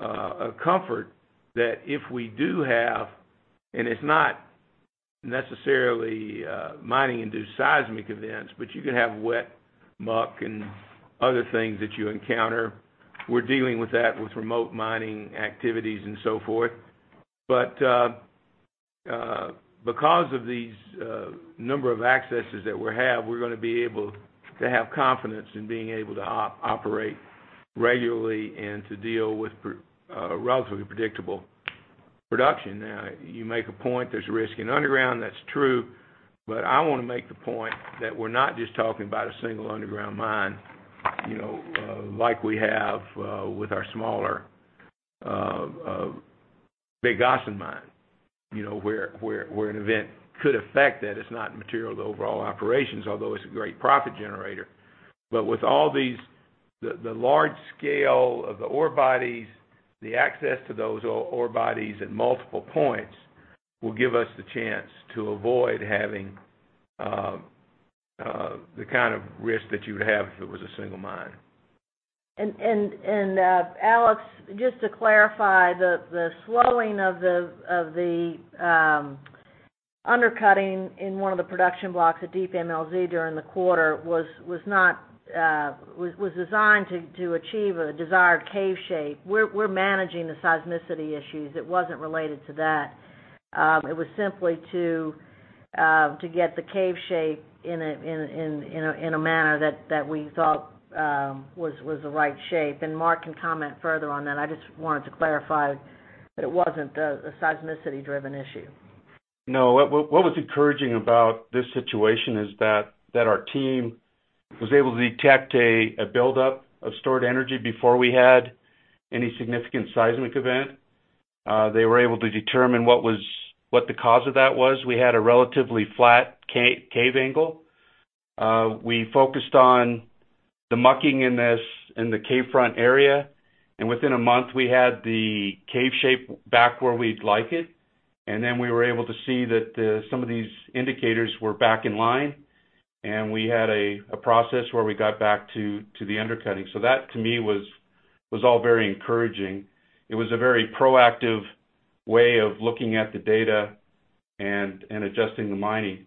a comfort that if we do have, and it's not necessarily mining-induced seismic events, you can have wet muck and other things that you encounter. We're dealing with that with remote mining activities and so forth. Because of these number of accesses that we have, we're going to be able to have confidence in being able to operate regularly and to deal with relatively predictable production. Now, you make a point, there's risk in underground. That's true. I want to make the point that we're not just talking about a single underground mine, like we have with our smaller Big Gossan Mine, where an event could affect that it's not material to overall operations, although it's a great profit generator. With all these, the large scale of the ore bodies, the access to those ore bodies at multiple points, will give us the chance to avoid having the kind of risk that you would have if it was a single mine. Alex, just to clarify, the slowing of the undercutting in one of the production blocks at DMLZ during the quarter was designed to achieve a desired cave shape. We're managing the seismicity issues. It wasn't related to that. It was simply to get the cave shape in a manner that we thought was the right shape. Mark can comment further on that. I just wanted to clarify that it wasn't a seismicity-driven issue. No, what was encouraging about this situation is that our team was able to detect a build-up of stored energy before we had any significant seismic event. They were able to determine what the cause of that was. We had a relatively flat cave angle. We focused on the mucking in the cave front area, and within a month, we had the cave shape back where we'd like it. Then we were able to see that some of these indicators were back in line, and we had a process where we got back to the undercutting. That to me was all very encouraging. It was a very proactive way of looking at the data and adjusting the mining.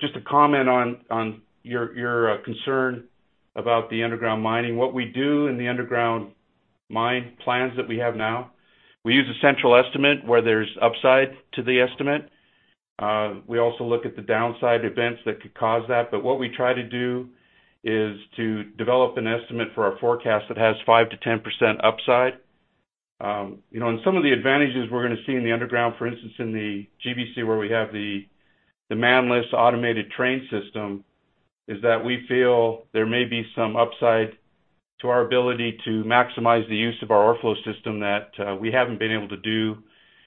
Just a comment on your concern about the underground mining. What we do in the underground mine plans that we have now, we use a central estimate where there's upside to the estimate. We also look at the downside events that could cause that. What we try to do is to develop an estimate for our forecast that has 5%-10% upside. Some of the advantages we're going to see in the underground, for instance, in the GBC, where we have the manless automated train system, is that we feel there may be some upside to our ability to maximize the use of our ore flow system that we haven't been able to do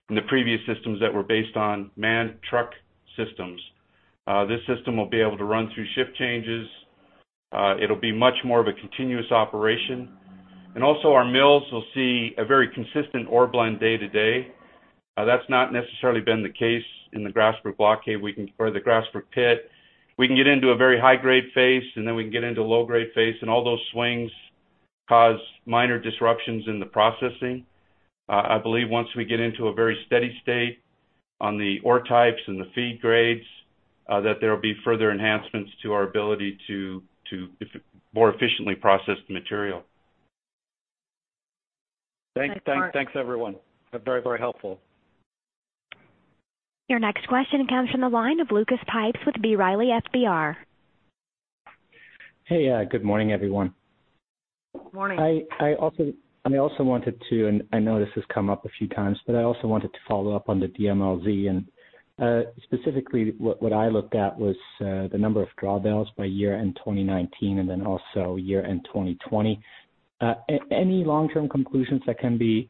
in the previous systems that were based on manned truck systems. This system will be able to run through shift changes. It'll be much more of a continuous operation. Also our mills will see a very consistent ore blend day to day. That's not necessarily been the case in the Grasberg Block Cave or the Grasberg pit. We can get into a very high-grade phase, and then we can get into a low-grade phase, and all those swings cause minor disruptions in the processing. I believe once we get into a very steady state on the ore types and the feed grades, that there will be further enhancements to our ability to more efficiently process the material. Thanks. Thanks, Mark. Thanks, everyone. Very helpful. Your next question comes from the line of Lukas Pipes with B. Riley FBR. Hey, good morning, everyone. Morning. I also wanted to, and I know this has come up a few times, but I also wanted to follow up on the DMLZ, and specifically what I looked at was the number of drawbells by year-end 2019 and then also year-end 2020. Any long-term conclusions that can be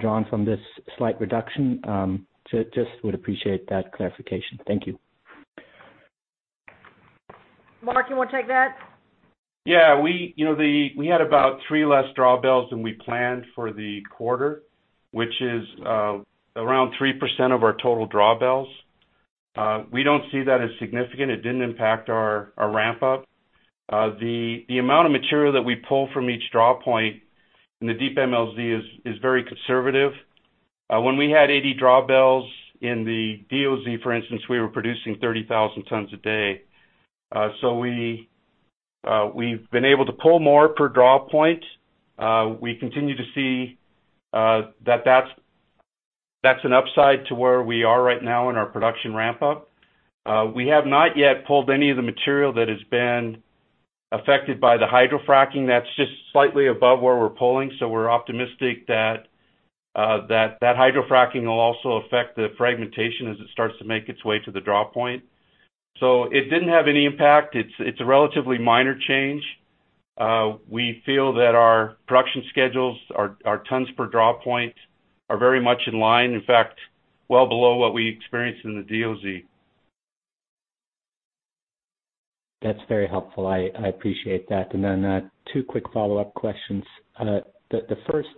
drawn from this slight reduction? Just would appreciate that clarification. Thank you. Mark, you want to take that? Yeah. We had about three less drawbells than we planned for the quarter, which is around 3% of our total drawbells. We don't see that as significant. It didn't impact our ramp-up. The amount of material that we pull from each draw point in the DMLZ is very conservative. When we had 80 drawbells in the DOZ, for instance, we were producing 30,000 tons per day. We've been able to pull more per draw point. We continue to see that that's an upside to where we are right now in our production ramp-up. We have not yet pulled any of the material that has been affected by the hydrofracking. That's just slightly above where we're pulling, we're optimistic that hydrofracking will also affect the fragmentation as it starts to make its way to the draw point. It didn't have any impact. It's a relatively minor change. We feel that our production schedules, our tons per draw point are very much in line. In fact, well below what we experienced in the DOZ. That's very helpful. I appreciate that. Two quick follow-up questions. The first,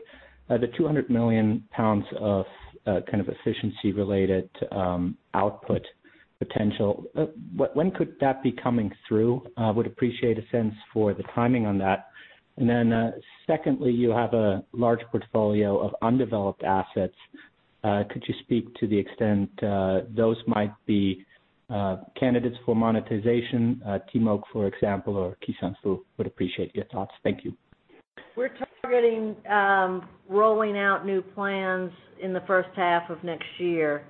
the 200 million pounds of efficiency-related output potential, when could that be coming through? Would appreciate a sense for the timing on that. Secondly, you have a large portfolio of undeveloped assets. Could you speak to the extent those might be candidates for monetization, Timok, for example, or Kisanfu? Would appreciate your thoughts. Thank you. We're targeting rolling out new plans in the first half of next year.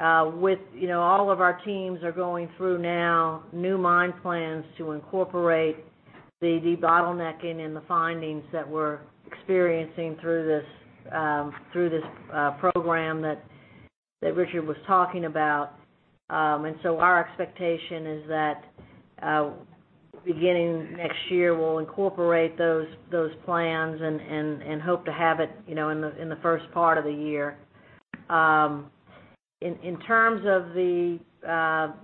All of our teams are going through now new mine plans to incorporate the de-bottlenecking and the findings that we're experiencing through this program that Richard was talking about. Our expectation is that beginning next year, we'll incorporate those plans and hope to have it in the first part of the year. In terms of the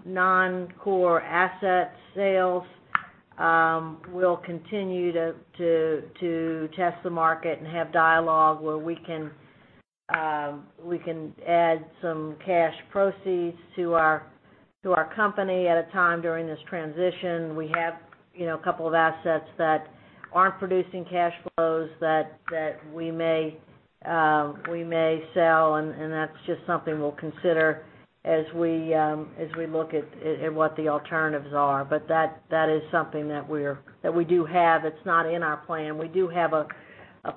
non-core asset sales, we'll continue to test the market and have dialogue where we can add some cash proceeds to our company at a time during this transition. We have a couple of assets that aren't producing cash flows that we may sell, and that's just something we'll consider as we look at what the alternatives are. That is something that we do have. It's not in our plan. We do have a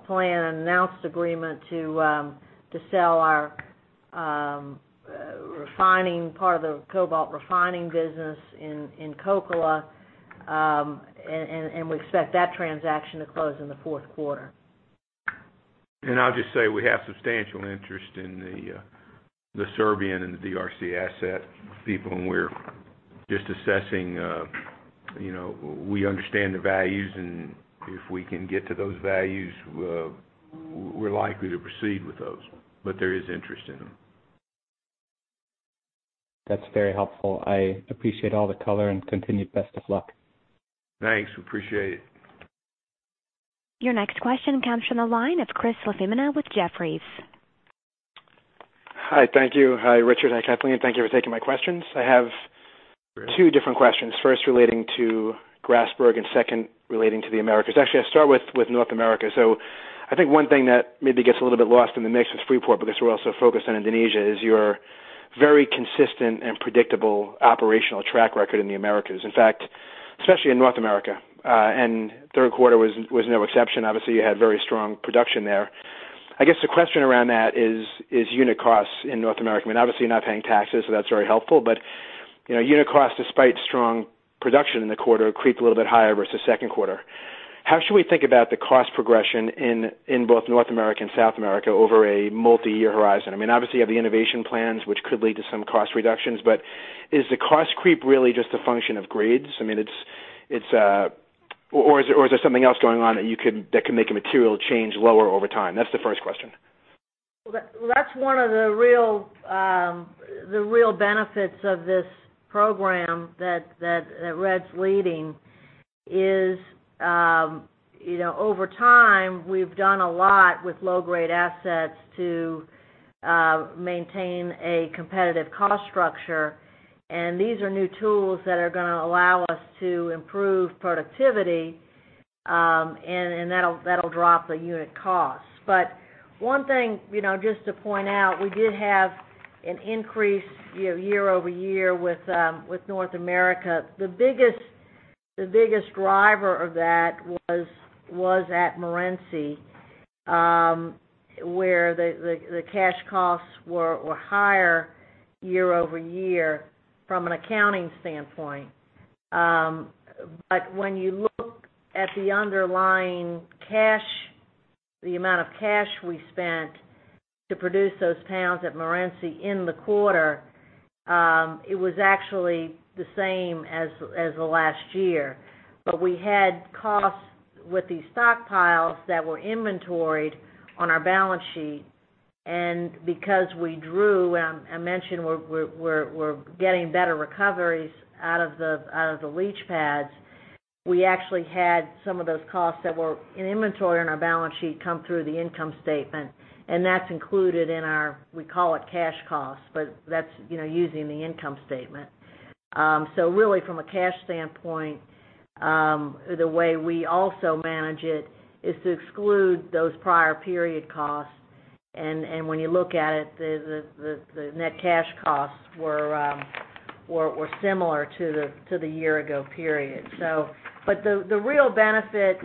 plan, an announced agreement to sell our refining part of the cobalt refining business in Kokkola, and we expect that transaction to close in the fourth quarter. I'll just say we have substantial interest in the Serbian and the DRC asset people, and we're just assessing. We understand the values, and if we can get to those values, we're likely to proceed with those. There is interest in them. That's very helpful. I appreciate all the color and continued best of luck. Thanks. We appreciate it. Your next question comes from the line of Chris LaFemina with Jefferies. Hi. Thank you. Hi, Richard. Hi, Kathleen. Thank you for taking my questions. I have two different questions. First, relating to Grasberg, and second, relating to the Americas. Actually, I'll start with North America. I think one thing that maybe gets a little bit lost in the mix with Freeport because we're also focused on Indonesia, is your very consistent and predictable operational track record in the Americas. In fact, especially in North America, and third quarter was no exception. Obviously, you had very strong production there. I guess the question around that is unit costs in North America. I mean, obviously, you're not paying taxes, so that's very helpful. Unit costs, despite strong production in the quarter, creeped a little bit higher versus second quarter. How should we think about the cost progression in both North America and South America over a multi-year horizon? I mean, obviously, you have the innovation plans, which could lead to some cost reductions. Is the cost creep really just a function of grades? Is there something else going on that can make a material change lower over time? That's the first question. That's one of the real benefits of this program that Red's leading is, over time, we've done a lot with low-grade assets to maintain a competitive cost structure, and these are new tools that are going to allow us to improve productivity, and that'll drop the unit cost. One thing just to point out, we did have an increase year-over-year with North America. The biggest driver of that was at Morenci, where the cash costs were higher year-over-year from an accounting standpoint. When you look at the underlying cash, the amount of cash we spent to produce those pounds at Morenci in the quarter, it was actually the same as the last year. We had costs with these stockpiles that were inventoried on our balance sheet. Because we drew, I mentioned we're getting better recoveries out of the leach pads, we actually had some of those costs that were in inventory on our balance sheet come through the income statement, and that's included in our, we call it cash cost, but that's using the income statement. Really from a cash standpoint, the way we also manage it is to exclude those prior period costs. When you look at it, the net cash costs were similar to the year-ago period. The real benefit,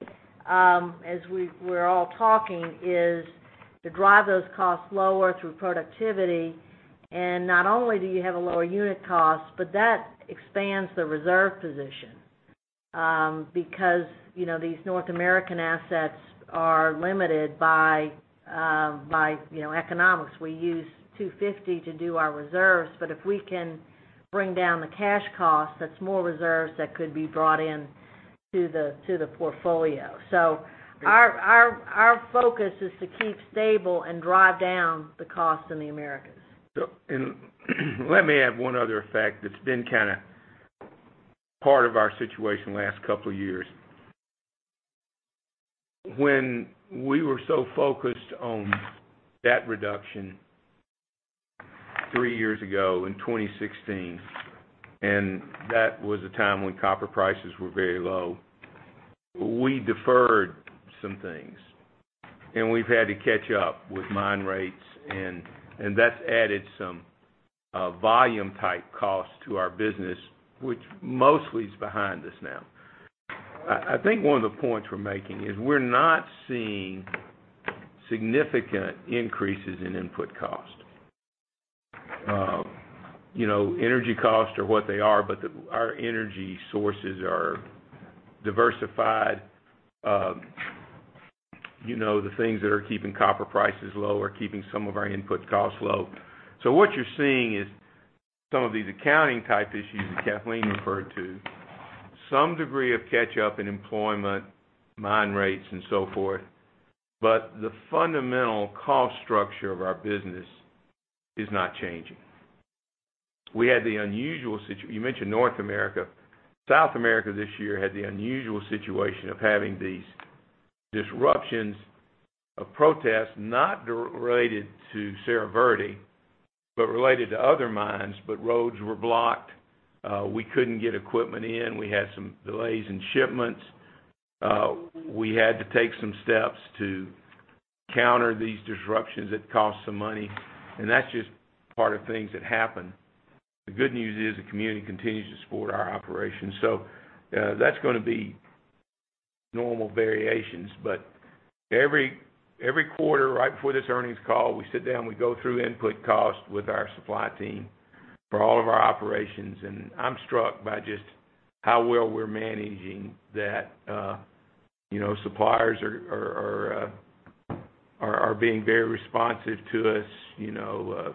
as we're all talking, is to drive those costs lower through productivity. Not only do you have a lower unit cost, but that expands the reserve position. These North American assets are limited by economics. We use $2.50 to do our reserves, but if we can bring down the cash cost, that's more reserves that could be brought in to the portfolio. Our focus is to keep stable and drive down the cost in the Americas. Let me add one other fact that's been part of our situation last couple years. When we were so focused on debt reduction three years ago in 2016, that was a time when copper prices were very low, we deferred some things. We've had to catch up with mine rates, that's added some volume-type costs to our business, which mostly is behind us now. I think one of the points we're making is we're not seeing significant increases in input cost. Energy costs are what they are, our energy sources are diversified. The things that are keeping copper prices low are keeping some of our input costs low. What you're seeing is some of these accounting-type issues that Kathleen referred to, some degree of catch-up in employment, mine rates, and so forth. The fundamental cost structure of our business is not changing. You mentioned North America. South America this year had the unusual situation of having these disruptions of protests, not related to Cerro Verde, but related to other mines, but roads were blocked. We couldn't get equipment in, we had some delays in shipments. We had to take some steps to counter these disruptions. It cost some money, and that's just part of things that happen. The good news is the community continues to support our operations. That's going to be normal variations. Every quarter, right before this earnings call, we sit down, we go through input cost with our supply team for all of our operations, and I'm struck by just how well we're managing that. Suppliers are being very responsive to us.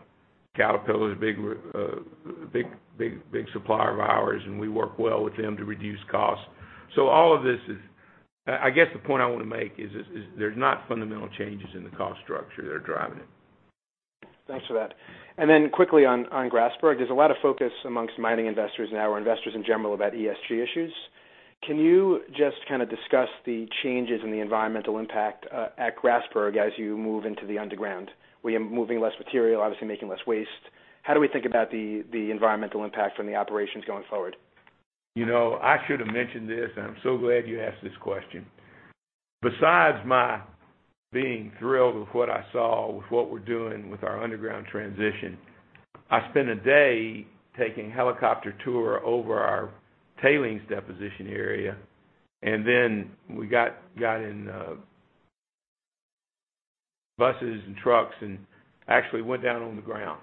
Caterpillar's a big supplier of ours, and we work well with them to reduce costs. I guess the point I want to make is there's not fundamental changes in the cost structure that are driving it. Thanks for that. Quickly on Grasberg, there's a lot of focus amongst mining investors now, or investors in general, about ESG issues. Can you just discuss the changes in the environmental impact at Grasberg as you move into the underground? We are moving less material, obviously making less waste. How do we think about the environmental impact on the operations going forward? I should have mentioned this, and I'm so glad you asked this question. Besides my being thrilled with what I saw with what we're doing with our underground transition, I spent a day taking helicopter tour over our tailings deposition area, and then we got in buses and trucks and actually went down on the ground.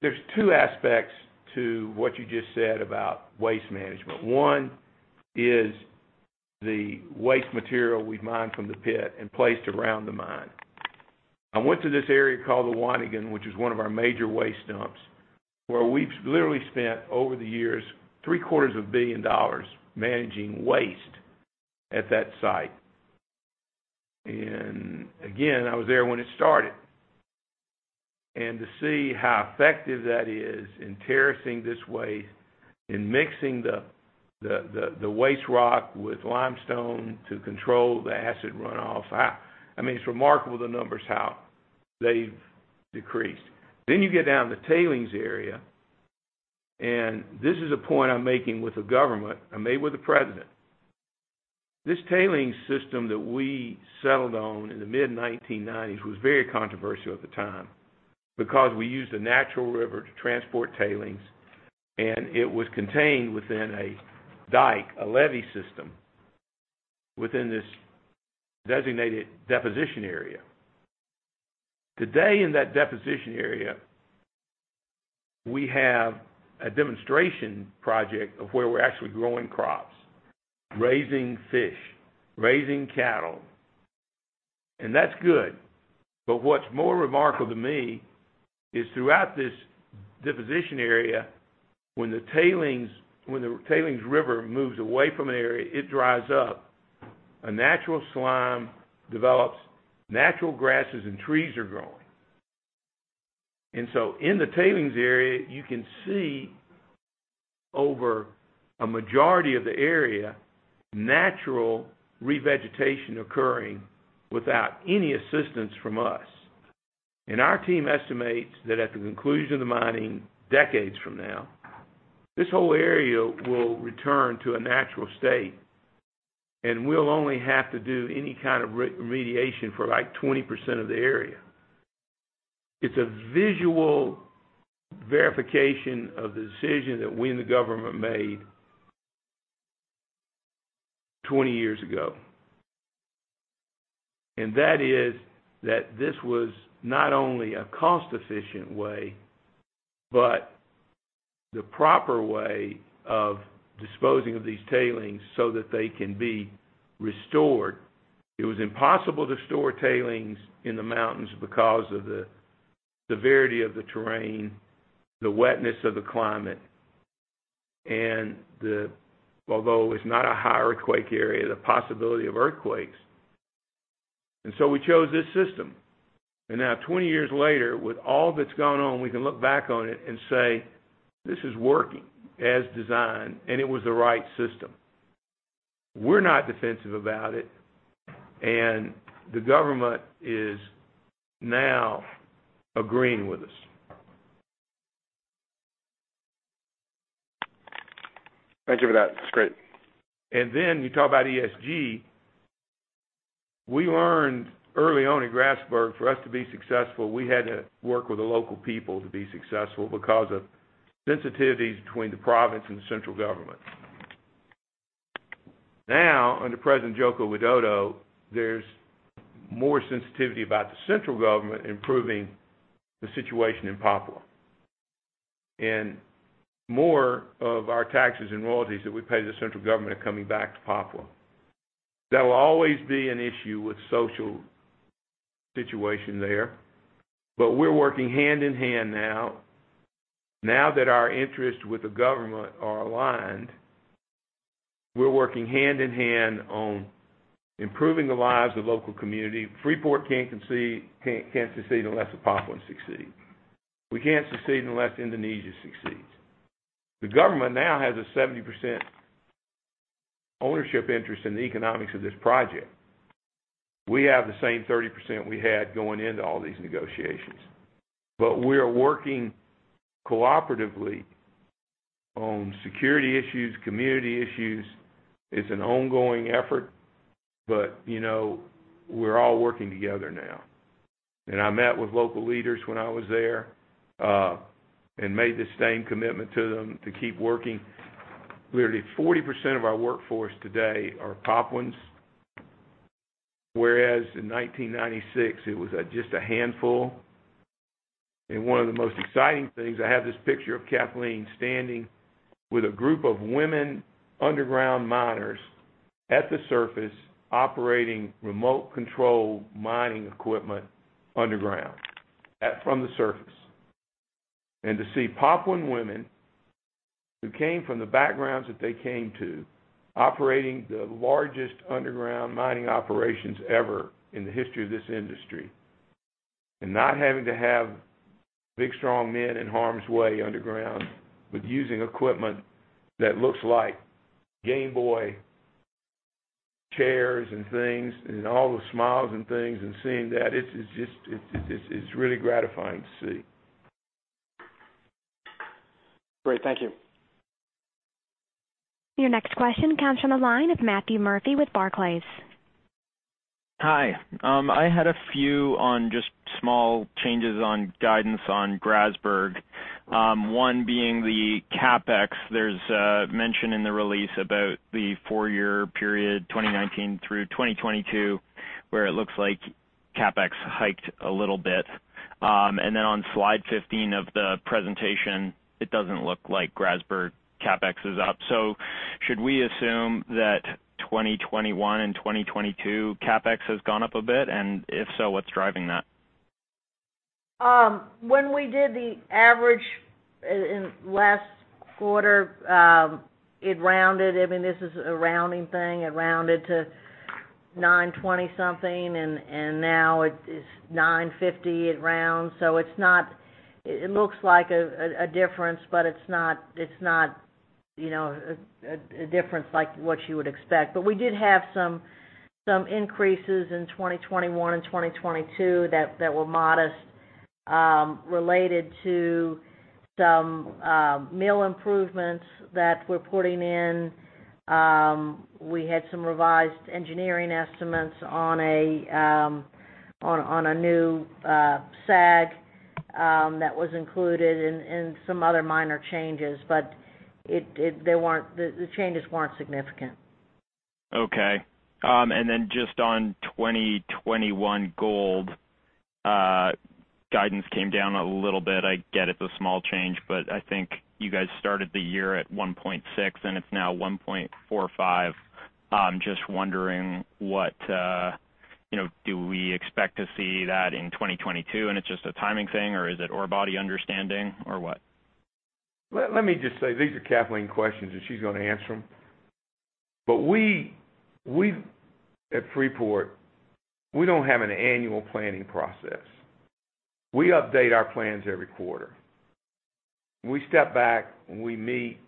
There's two aspects to what you just said about waste management. One is the waste material we mine from the pit and placed around the mine. I went to this area called the Wanagon, which is one of our major waste dumps, where we've literally spent, over the years, three-quarters of a billion dollars managing waste at that site. Again, I was there when it started. To see how effective that is in terracing this waste and mixing the waste rock with limestone to control the acid runoff, it's remarkable the numbers, how they've decreased. You get down to the tailings area, and this is a point I'm making with the government. I made with the President. This tailings system that we settled on in the mid-1990s was very controversial at the time because we used a natural river to transport tailings, and it was contained within a dike, a levee system within this designated deposition area. Today in that deposition area, we have a demonstration project of where we're actually growing crops, raising fish, raising cattle, and that's good. What's more remarkable to me is throughout this deposition area, when the tailings river moves away from an area, it dries up. A natural slime develops. Natural grasses and trees are growing. In the tailings area, you can see over a majority of the area, natural revegetation occurring without any assistance from us. Our team estimates that at the conclusion of the mining, decades from now, this whole area will return to a natural state. We'll only have to do any kind of remediation for 20% of the area. It's a visual verification of the decision that we and the government made 20 years ago. That is, this was not only a cost-efficient way, but the proper way of disposing of these tailings so that they can be restored. It was impossible to store tailings in the mountains because of the severity of the terrain, the wetness of the climate, and although it's not a high earthquake area, the possibility of earthquakes. We chose this system. Now 20 years later, with all that's gone on, we can look back on it and say, "This is working as designed, and it was the right system." We're not defensive about it, and the government is now agreeing with us. Thank you for that. That's great. You talk about ESG. We learned early on in Grasberg, for us to be successful, we had to work with the local people to be successful because of sensitivities between the province and the central government. Now, under President Joko Widodo, there's more sensitivity about the central government improving the situation in Papua. More of our taxes and royalties that we pay to the central government are coming back to Papua. There will always be an issue with social situation there, but we're working hand in hand now. Now that our interests with the government are aligned, we're working hand in hand on improving the lives of local community. Freeport can't succeed unless Papua succeeds. We can't succeed unless Indonesia succeeds. The government now has a 70% ownership interest in the economics of this project. We have the same 30% we had going into all these negotiations. We are working cooperatively on security issues, community issues. It's an ongoing effort, but we're all working together now. I met with local leaders when I was there, and made the same commitment to them to keep working. Literally 40% of our workforce today are Papuans, whereas in 1996, it was just a handful. One of the most exciting things, I have this picture of Kathleen standing with a group of women underground miners at the surface operating remote control mining equipment underground, from the surface. To see Papuan women who came from the backgrounds that they came to, operating the largest underground mining operations ever in the history of this industry. Not having to have big, strong men in harm's way underground, but using equipment that looks like Game Boy chairs and things, and all the smiles and things and seeing that, it's really gratifying to see. Great. Thank you. Your next question comes from the line of Matthew Murphy with Barclays. Hi. I had a few on just small changes on guidance on Grasberg. One being the CapEx. There's a mention in the release about the four-year period, 2019 through 2022, where it looks like CapEx hiked a little bit. On slide 15 of the presentation, it doesn't look like Grasberg CapEx is up. Should we assume that 2021 and 2022 CapEx has gone up a bit? If so, what's driving that? When we did the average in last quarter, it rounded. I mean, this is a rounding thing. It rounded to 920 something, and now it's 950 it rounds. It looks like a difference, but it's not a difference like what you would expect. We did have some increases in 2021 and 2022 that were modest, related to some mill improvements that we're putting in. We had some revised engineering estimates on a new SAG that was included in some other minor changes, but the changes weren't significant. Okay. Just on 2021 gold, guidance came down a little bit. I get it's a small change, but I think you guys started the year at 1.6, and it's now 1.45. I'm just wondering, do we expect to see that in 2022, and it's just a timing thing, or is it ore body understanding or what? Let me just say, these are Kathleen questions, and she's going to answer them. We at Freeport, we don't have an annual planning process. We update our plans every quarter. We step back, and we meet,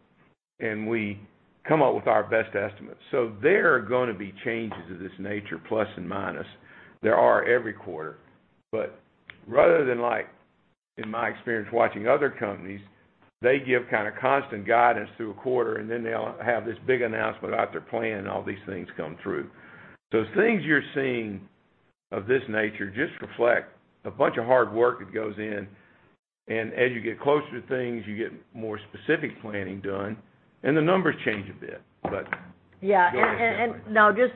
and we come up with our best estimates. There are going to be changes of this nature, plus and minus. There are every quarter. Rather than in my experience watching other companies, they give constant guidance through a quarter, and then they'll have this big announcement about their plan, and all these things come through. Things you're seeing of this nature just reflect a bunch of hard work that goes in, and as you get closer to things, you get more specific planning done, and the numbers change a bit. Yeah. No, just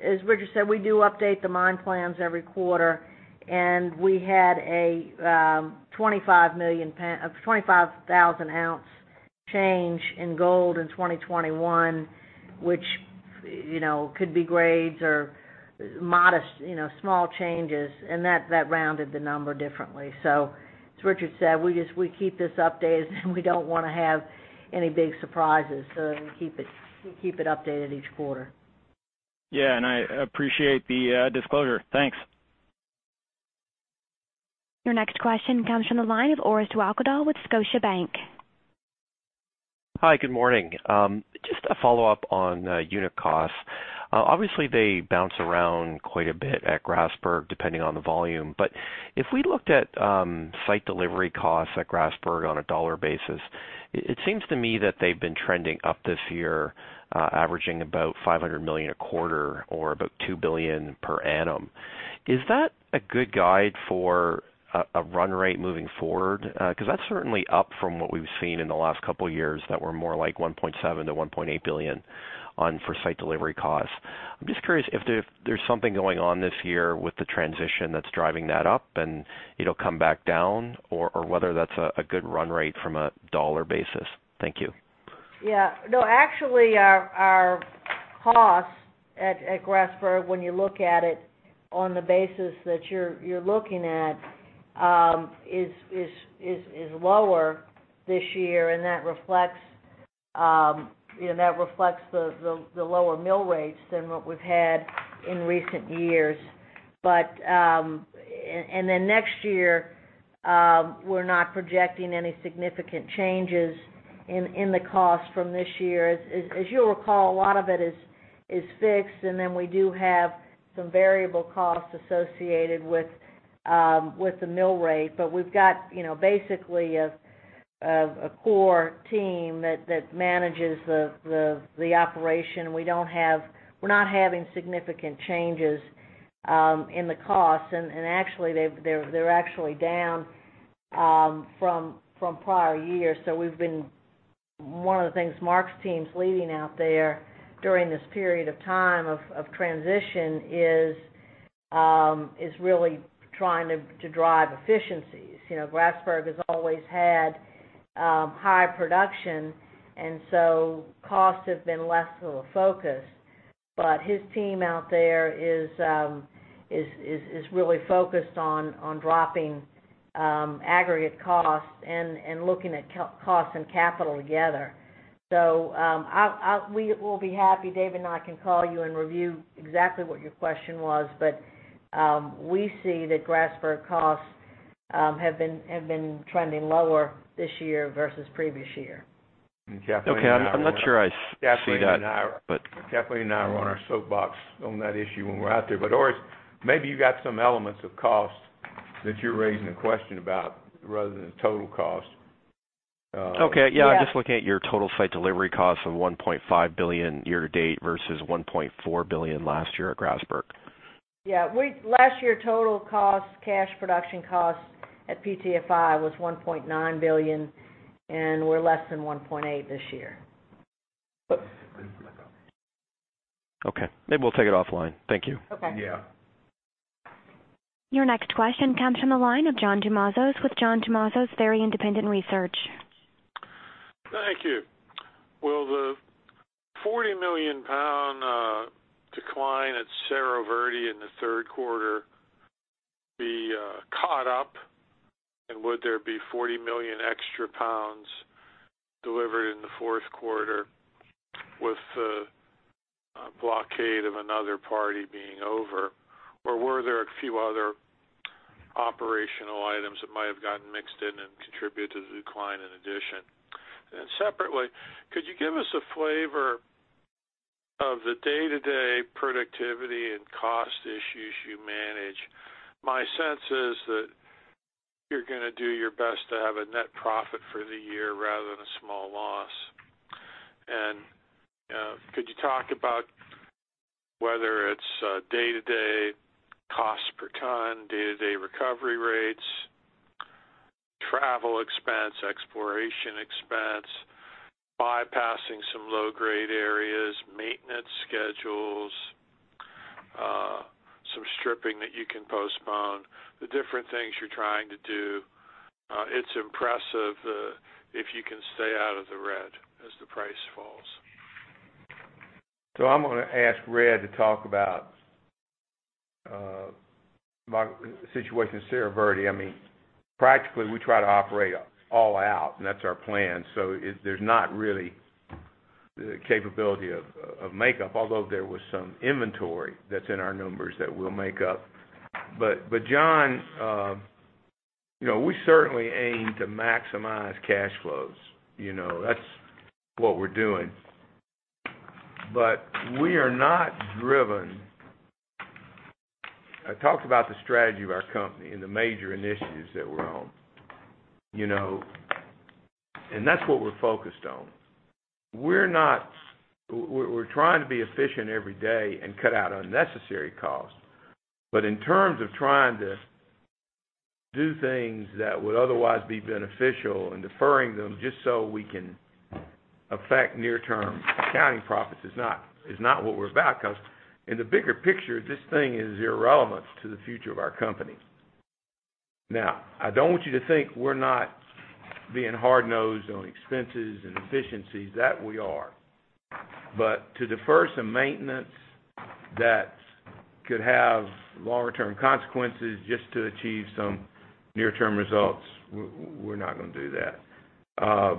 as Richard said, we do update the mine plans every quarter, and we had a 25,000-ounce change in gold in 2021, which could be grades or modest, small changes, and that rounded the number differently. As Richard said, we keep this updated, and we don't want to have any big surprises, so we keep it updated each quarter. Yeah, I appreciate the disclosure. Thanks. Your next question comes from the line of Orest Wowkodaw with Scotiabank. Hi, good morning. Just a follow-up on unit costs. Obviously, they bounce around quite a bit at Grasberg, depending on the volume. But if we looked at site delivery costs at Grasberg on a dollar basis, it seems to me that they've been trending up this year, averaging about $500 million a quarter or about $2 billion per annum. Is that a good guide for a run rate moving forward? Because that's certainly up from what we've seen in the last couple of years that were more like $1.7 billion-$1.8 billion for site delivery costs. I'm just curious if there's something going on this year with the transition that's driving that up and it'll come back down or whether that's a good run rate from a dollar basis. Thank you. Actually, our costs at Grasberg, when you look at it on the basis that you're looking at, is lower this year, that reflects the lower mill rates than what we've had in recent years. Next year, we're not projecting any significant changes in the cost from this year. As you'll recall, a lot of it is fixed, we do have some variable costs associated with the mill rate. We've got basically a core team that manages the operation. We're not having significant changes in the costs, and they're actually down from prior years. One of the things Mark's team's leading out there during this period of time of transition is really trying to drive efficiencies. Grasberg has always had high production, costs have been less of a focus. His team out there is really focused on dropping aggregate costs and looking at cost and capital together. We'll be happy, David and I can call you and review exactly what your question was, but we see that Grasberg costs have been trending lower this year versus previous year. Kathleen and I were. Okay. I'm not sure I see that. Kathleen and I are on our soapbox on that issue when we're out there. Orest, maybe you got some elements of cost that you're raising a question about rather than the total cost. It's okay. Yeah. Yeah. I'm just looking at your total site delivery cost of $1.5 billion year to date versus $1.4 billion last year at Grasberg. Yeah. Last year, total cost, cash production cost at PTFI was $1.9 billion, and we're less than $1.8 billion this year. Okay. Maybe we'll take it offline. Thank you. Okay. Yeah. Your next question comes from the line of John Tumazos with John Tumazos's Very Independent Research. Thank you. Will the 40 million pound decline at Cerro Verde in the third quarter be caught up, and would there be 40 million extra pounds delivered in the fourth quarter with the blockade of another party being over? Were there a few other operational items that might have gotten mixed in and contributed to the decline in addition? Separately, could you give us a flavor of the day-to-day productivity and cost issues you manage? My sense is that you're going to do your best to have a net profit for the year rather than a small loss. Could you talk about whether it's day-to-day cost per ton, day-to-day recovery rates, travel expense, exploration expense, bypassing some low-grade areas, maintenance schedules, some stripping that you can postpone, the different things you're trying to do? It's impressive if you can stay out of the red as the price falls. I'm going to ask Red to talk about the situation at Cerro Verde. Practically, we try to operate all out, and that's our plan. There's not really the capability of makeup, although there was some inventory that's in our numbers that we'll make up. John, we certainly aim to maximize cash flows. That's what we're doing. I talked about the strategy of our company and the major initiatives that we're on. That's what we're focused on. We're trying to be efficient every day and cut out unnecessary costs. In terms of trying to do things that would otherwise be beneficial and deferring them just so we can affect near-term accounting profits is not what we're about. In the bigger picture, this thing is irrelevant to the future of our company. I don't want you to think we're not being hard-nosed on expenses and efficiencies. That, we are. To defer some maintenance that could have longer-term consequences just to achieve some near-term results, we're not going to do that.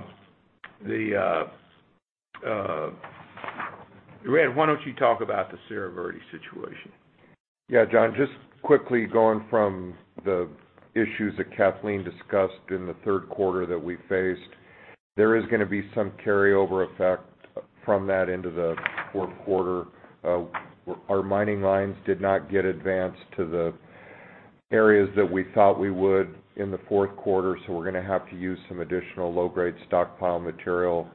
Red, why don't you talk about the Cerro Verde situation? Yeah, John, just quickly going from the issues that Kathleen discussed in the third quarter that we faced, there is going to be some carryover effect from that into the fourth quarter. Our mining lines did not get advanced to the areas that we thought we would in the fourth quarter. We're going to have to use some additional low-grade stockpile material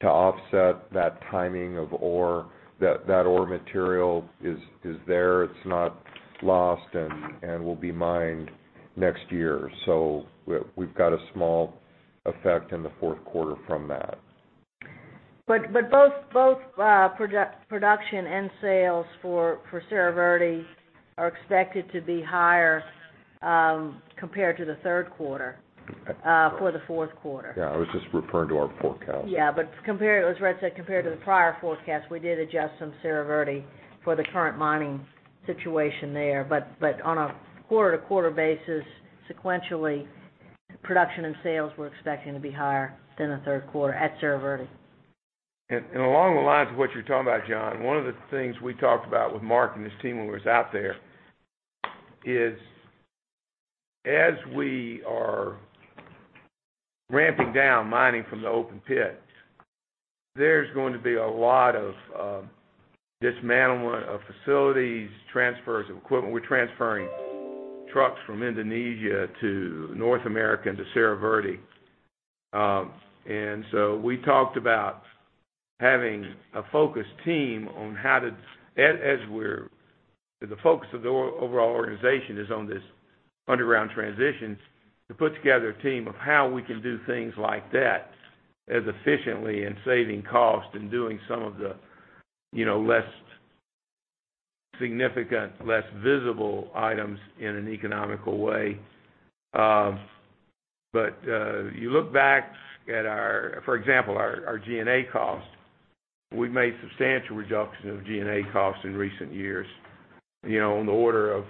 to offset that timing of ore. That ore material is there. It's not lost and will be mined next year. We've got a small effect in the fourth quarter from that. Both production and sales for Cerro Verde are expected to be higher compared to the third quarter for the fourth quarter. Yeah, I was just referring to our forecast. Yeah. As Red said, compared to the prior forecast, we did adjust some Cerro Verde for the current mining situation there. On a quarter-to-quarter basis, sequentially, production and sales we're expecting to be higher than the third quarter at Cerro Verde. Along the lines of what you're talking about, John, one of the things we talked about with Mark and his team when we was out there is as we are ramping down mining from the open pits, there's going to be a lot of dismantlement of facilities, transfers of equipment. We're transferring trucks from Indonesia to North America to Cerro Verde. We talked about having a focused team on as the focus of the overall organization is on this underground transition, to put together a team of how we can do things like that as efficiently and saving cost and doing some of the less significant, less visible items in an economical way. You look back at our, for example, our G&A cost, we've made substantial reductions of G&A costs in recent years on the order of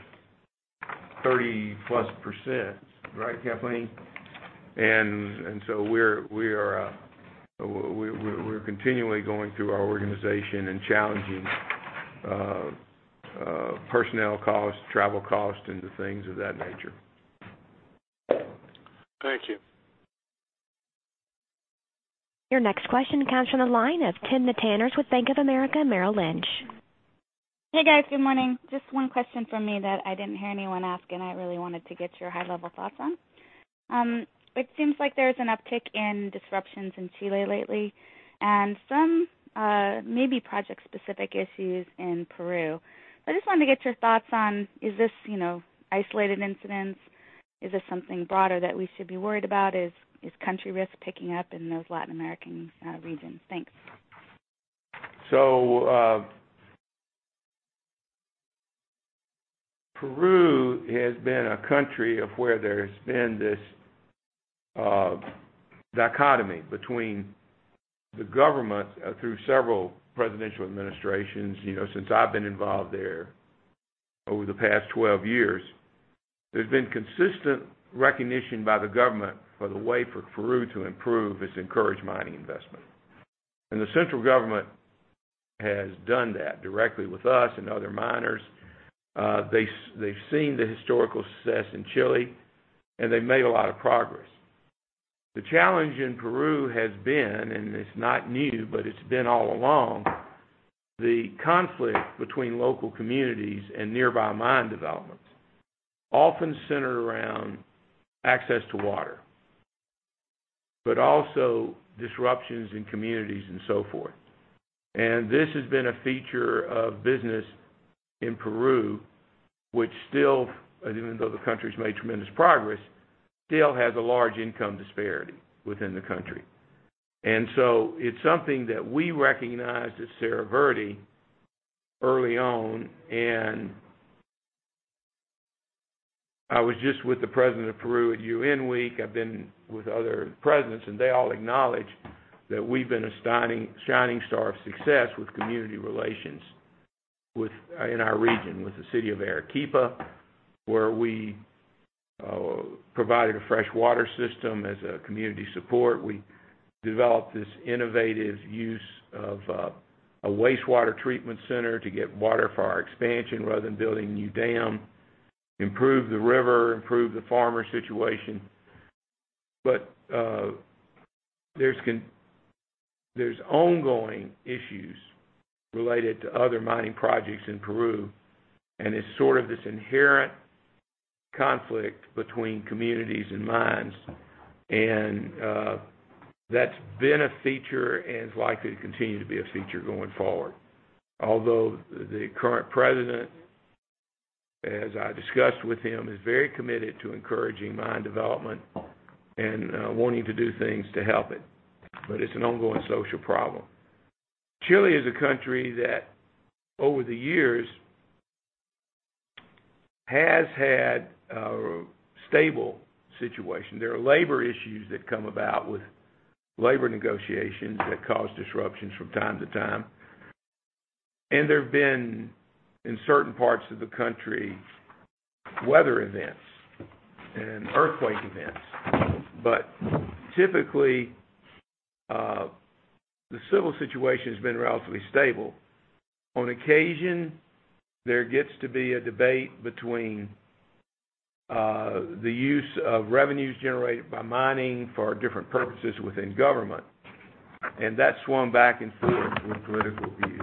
30+%. Right, Kathleen? We're continually going through our organization and challenging personnel cost, travel cost, and the things of that nature. Thank you. Your next question comes from the line of Ken Mataness with Bank of America Merrill Lynch. Hey, guys. Good morning. Just one question from me that I didn't hear anyone ask, and I really wanted to get your high-level thoughts on. It seems like there's an uptick in disruptions in Chile lately and some maybe project-specific issues in Peru. I just wanted to get your thoughts on, is this isolated incidents? Is this something broader that we should be worried about? Is country risk picking up in those Latin American regions? Thanks. Peru has been a country of where there's been this dichotomy between the government through several presidential administrations. Since I've been involved there over the past 12 years, there's been consistent recognition by the government for the way for Peru to improve is to encourage mining investment. The central government has done that directly with us and other miners. They've seen the historical success in Chile, and they've made a lot of progress. The challenge in Peru has been, and it's not new, but it's been all along, the conflict between local communities and nearby mine developments, often centered around access to water, but also disruptions in communities and so forth. This has been a feature of business in Peru, which still, even though the country's made tremendous progress, still has a large income disparity within the country. It's something that we recognized at Cerro Verde early on, I was just with the president of Peru at U.N. week. I've been with other presidents, and they all acknowledge that we've been a shining star of success with community relations in our region, with the city of Arequipa, where we provided a fresh water system as a community support. We developed this innovative use of a wastewater treatment center to get water for our expansion rather than building a new dam, improve the river, improve the farmer situation. There's ongoing issues related to other mining projects in Peru, and it's sort of this inherent conflict between communities and mines. That's been a feature and is likely to continue to be a feature going forward. Although the current president, as I discussed with him, is very committed to encouraging mine development and wanting to do things to help it. It's an ongoing social problem. Chile is a country that, over the years, has had a stable situation. There are labor issues that come about with labor negotiations that cause disruptions from time to time. There have been, in certain parts of the country, weather events and earthquake events. Typically, the civil situation has been relatively stable. On occasion, there gets to be a debate between the use of revenues generated by mining for different purposes within government, and that's swung back and forth with political views.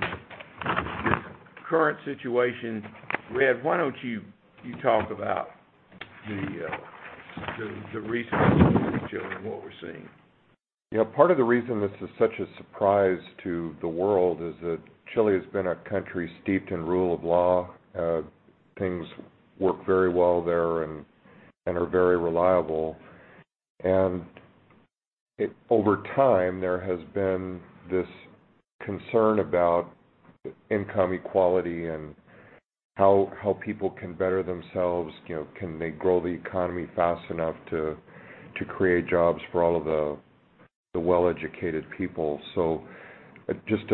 The current situation, Red, why don't you talk about the recent issues in Chile and what we're seeing? Part of the reason this is such a surprise to the world is that Chile has been a country steeped in rule of law. Things work very well there and are very reliable. Over time, there has been this concern about income equality and how people can better themselves. Can they grow the economy fast enough to create jobs for all of the well-educated people? Just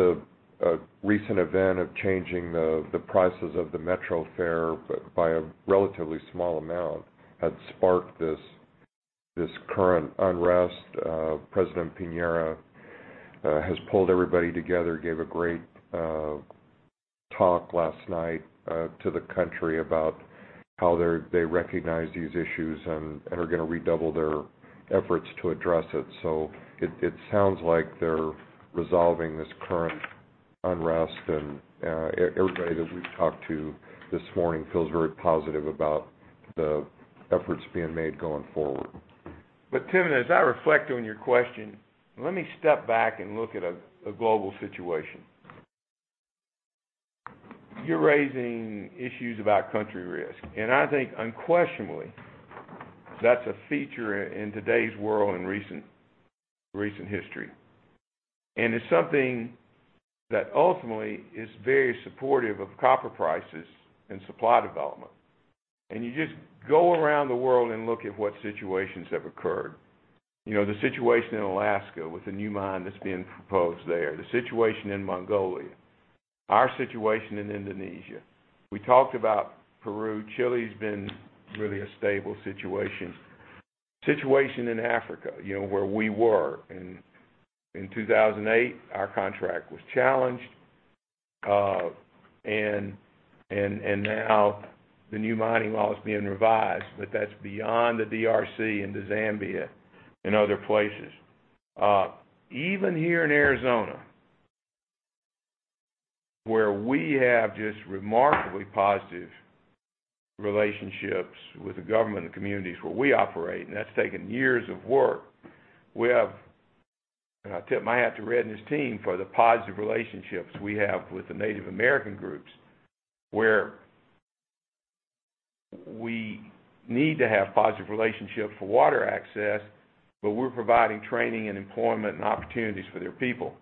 a recent event of changing the prices of the metro fare by a relatively small amount had sparked this current unrest. President Piñera has pulled everybody together, gave a great talk last night to the country about how they recognize these issues and are going to redouble their efforts to address it. It sounds like they're resolving this current unrest, and everybody that we've talked to this morning feels very positive about the efforts being made going forward. Tim, as I reflect on your question, let me step back and look at a global situation. You're raising issues about country risk, I think unquestionably, that's a feature in today's world in recent history. It's something that ultimately is very supportive of copper prices and supply development. You just go around the world and look at what situations have occurred. The situation in Alaska with a new mine that's being proposed there, the situation in Mongolia, our situation in Indonesia. We talked about Peru. Chile's been really a stable situation. The situation in Africa, where we were in 2008, our contract was challenged. Now the new mining law is being revised, but that's beyond the DRC into Zambia and other places. Even here in Arizona, where we have just remarkably positive relationships with the government and communities where we operate, that's taken years of work. I tip my hat to Red and his team for the positive relationships we have with the Native American groups, where we need to have positive relationships for water access, but we're providing training and employment and opportunities for their people.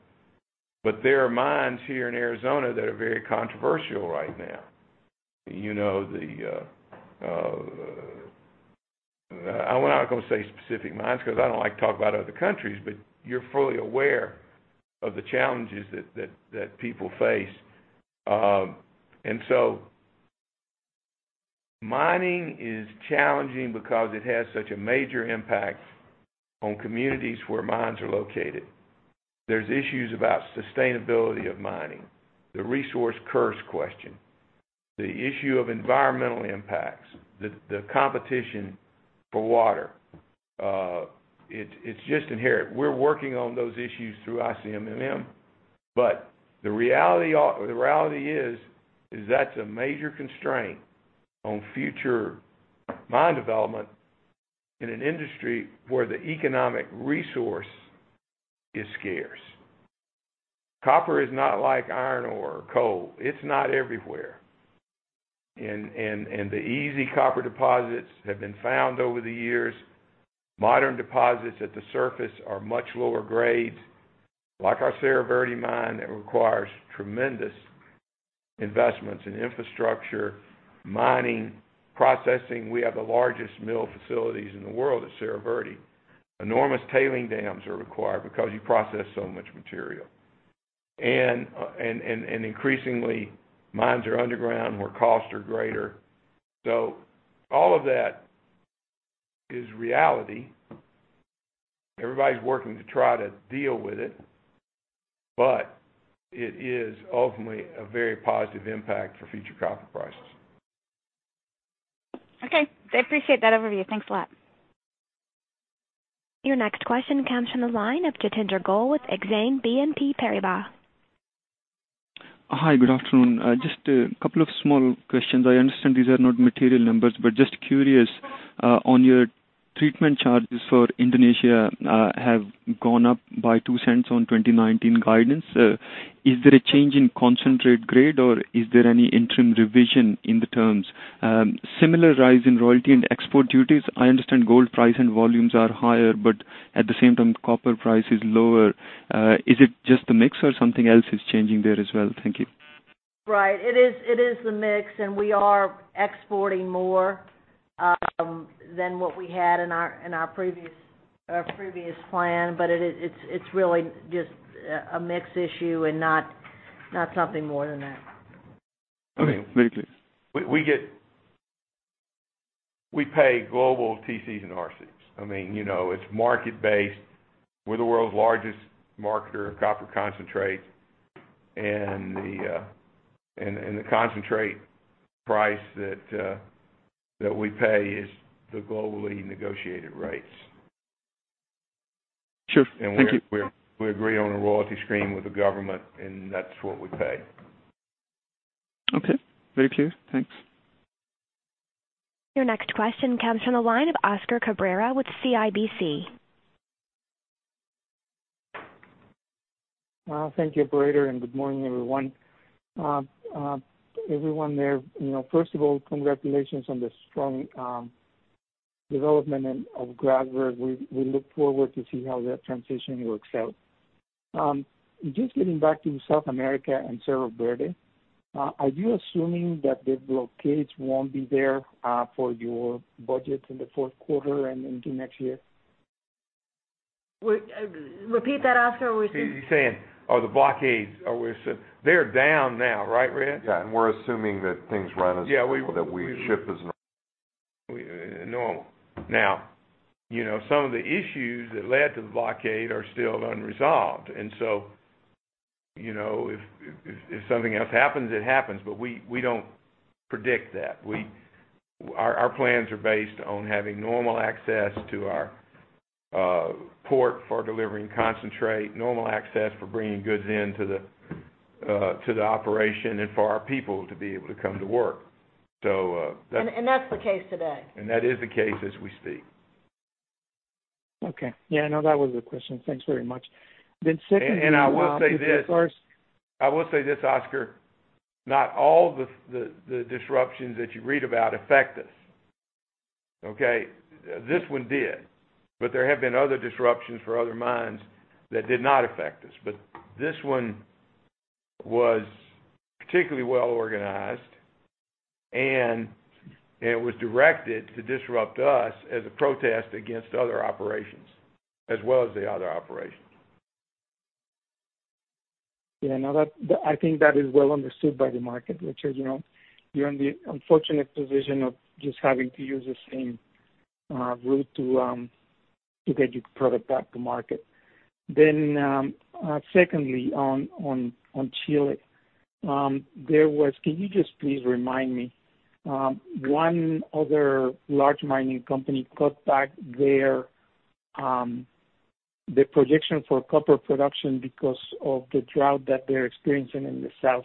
There are mines here in Arizona that are very controversial right now. I'm not going to say specific mines because I don't like to talk about other countries, but you're fully aware of the challenges that people face. Mining is challenging because it has such a major impact on communities where mines are located. There's issues about sustainability of mining, the resource curse question, the issue of environmental impacts, the competition for water. It's just inherent. We're working on those issues through ICMM, the reality is that's a major constraint on future mine development in an industry where the economic resource is scarce. Copper is not like iron or coal. It's not everywhere. The easy copper deposits have been found over the years. Modern deposits at the surface are much lower grade. Like our Cerro Verde mine, it requires tremendous investments in infrastructure, mining, processing. We have the largest mill facilities in the world at Cerro Verde. Enormous tailing dams are required because you process so much material. Increasingly, mines are underground where costs are greater. All of that is reality. Everybody's working to try to deal with it, but it is ultimately a very positive impact for future copper prices. Okay. I appreciate that overview. Thanks a lot. Your next question comes from the line of [Jatinder Goel] with Exane BNP Paribas. Hi, good afternoon. Just a couple of small questions. I understand these are not material numbers, but just curious, on your treatment charges for Indonesia have gone up by $0.02 on 2019 guidance. Is there a change in concentrate grade, or is there any interim revision in the terms? Similar rise in royalty and export duties. I understand gold price and volumes are higher, but at the same time, copper price is lower. Is it just the mix or something else is changing there as well? Thank you. Right. It is the mix. We are exporting more than what we had in our previous plan. It's really just a mix issue and not something more than that. Okay, very clear. We pay global TC and RCs. It's market-based. We're the world's largest marketer of copper concentrate. The concentrate price that we pay is the globally negotiated rates. Sure. Thank you. We agree on a royalty stream with the government, and that's what we pay. Okay. Very clear. Thanks. Your next question comes from the line of Oscar Cabrera with CIBC. Thank you, operator, and good morning, everyone. Everyone there, first of all, congratulations on the strong development of Grasberg. We look forward to see how that transition works out. Just getting back to South America and Cerro Verde, are you assuming that the blockades won't be there for your budget in the fourth quarter and into next year? Repeat that, Oscar. He's saying, are the blockades? They're down now, right, Red? Yeah. We're assuming that things run as- Yeah. That we ship as normal. Normal. Now, some of the issues that led to the blockade are still unresolved. If something else happens, it happens, but we don't predict that. Our plans are based on having normal access to our port for delivering concentrate, normal access for bringing goods in to the operation and for our people to be able to come to work. That's the case today. That is the case as we speak. Okay. Yeah, no, that was the question. Thanks very much. second- I will say this. I will say this, Oscar. Not all the disruptions that you read about affect us. Okay? This one did. There have been other disruptions for other mines that did not affect us. This one was particularly well-organized, and it was directed to disrupt us as a protest against other operations, as well as the other operations. Yeah, I think that is well understood by the market, which is you're in the unfortunate position of just having to use the same route to get your product back to market. Secondly, on Chile, can you just please remind me, one other large mining company cut back their projection for copper production because of the drought that they're experiencing in the south.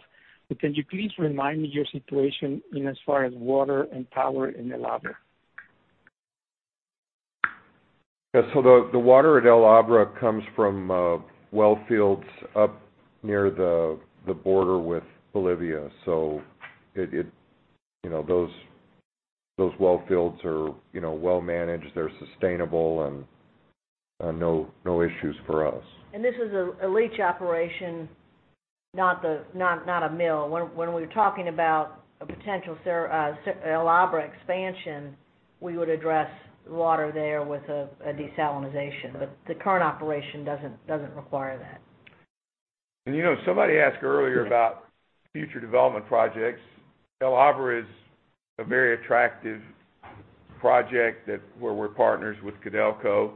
Can you please remind me your situation in as far as water and power in El Abra? Yeah. The water at El Abra comes from well fields up near the border with Bolivia. Those well fields are well managed. They're sustainable and no issues for us. This is a leach operation, not a mill. When we're talking about a potential El Abra expansion, we would address water there with a desalination, but the current operation doesn't require that. Somebody asked earlier about future development projects. El Abra is a very attractive project where we're partners with Codelco.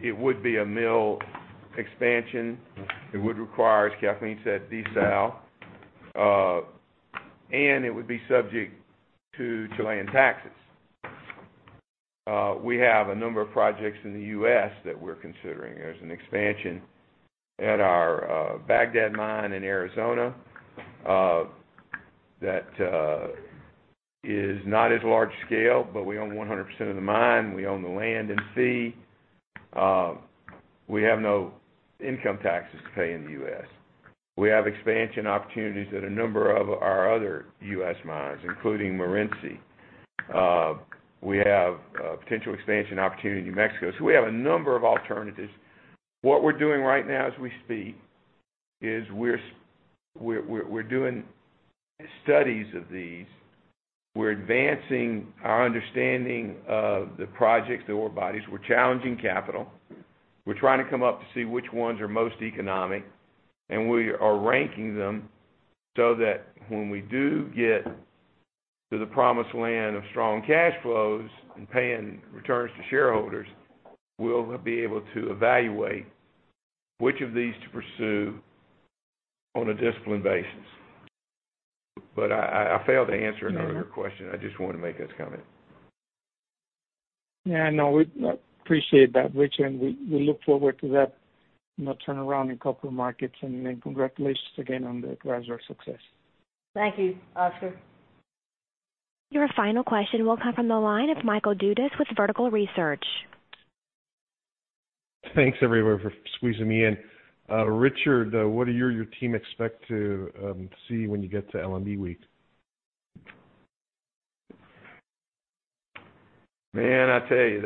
It would be a mill expansion. It would require, as Kathleen said, desal. It would be subject to Chilean taxes. We have a number of projects in the U.S. that we're considering. There's an expansion at our Bagdad mine in Arizona that is not as large scale, but we own 100% of the mine. We own the land and fee. We have no income taxes to pay in the U.S. We have expansion opportunities at a number of our other U.S. mines, including Morenci. We have a potential expansion opportunity in New Mexico. We have a number of alternatives. What we're doing right now as we speak is we're doing studies of these. We're advancing our understanding of the projects, the ore bodies. We're challenging capital. We're trying to come up to see which ones are most economic. We are ranking them so that when we do get to the promised land of strong cash flows and paying returns to shareholders, we'll be able to evaluate which of these to pursue on a discipline basis. I failed to answer another question. I just wanted to make this comment. Yeah, no, we appreciate that, Richard, and we look forward to that turnaround in copper markets. Then congratulations again on the Grasberg success. Thank you, Oscar. Your final question will come from the line of Michael Dudas with Vertical Research. Thanks, everyone, for squeezing me in. Richard, what do you or your team expect to see when you get to LME Week? Man, I tell you,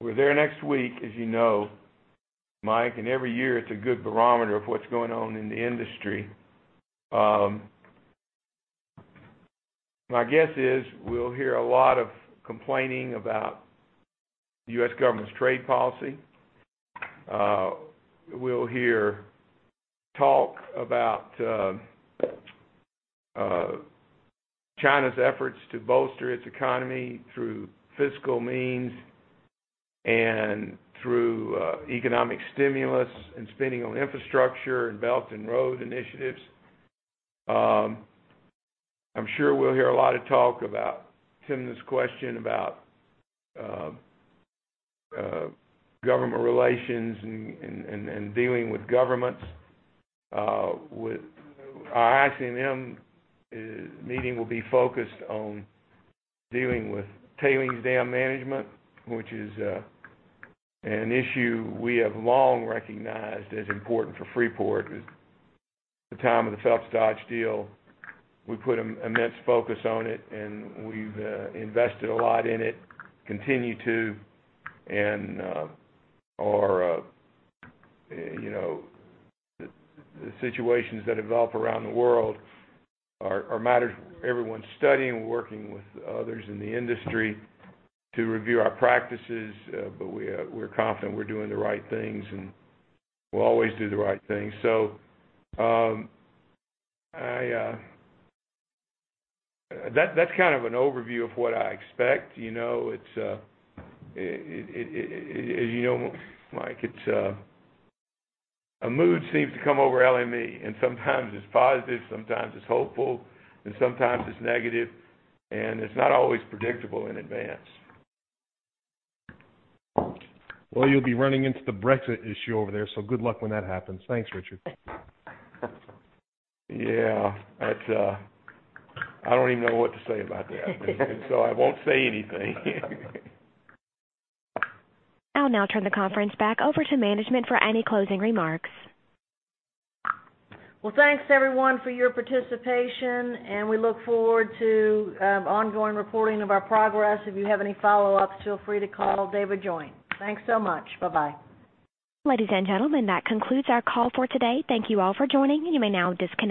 we're there next week, as you know, Mike. Every year it's a good barometer of what's going on in the industry. My guess is we'll hear a lot of complaining about U.S. government's trade policy. We'll hear talk about China's efforts to bolster its economy through fiscal means and through economic stimulus and spending on infrastructure and Belt and Road Initiative. I'm sure we'll hear a lot of talk about Timna's question about government relations and dealing with governments. Our ICMM meeting will be focused on dealing with tailings dam management, which is an issue we have long recognized as important for Freeport. At the time of the Phelps Dodge deal, we put immense focus on it. We've invested a lot in it, continue to. The situations that develop around the world are matters everyone's studying, working with others in the industry to review our practices. We're confident we're doing the right things, and we'll always do the right thing. That's kind of an overview of what I expect. Mike, a mood seems to come over LME, and sometimes it's positive, sometimes it's hopeful, and sometimes it's negative, and it's not always predictable in advance. Well, you'll be running into the Brexit issue over there, so good luck when that happens. Thanks, Richard. Yeah. I don't even know what to say about that. I won't say anything. I'll now turn the conference back over to management for any closing remarks. Well, thanks everyone for your participation. We look forward to ongoing reporting of our progress. If you have any follow-ups, feel free to call David Joint. Thanks so much. Bye-bye. Ladies and gentlemen, that concludes our call for today. Thank you all for joining, and you may now disconnect.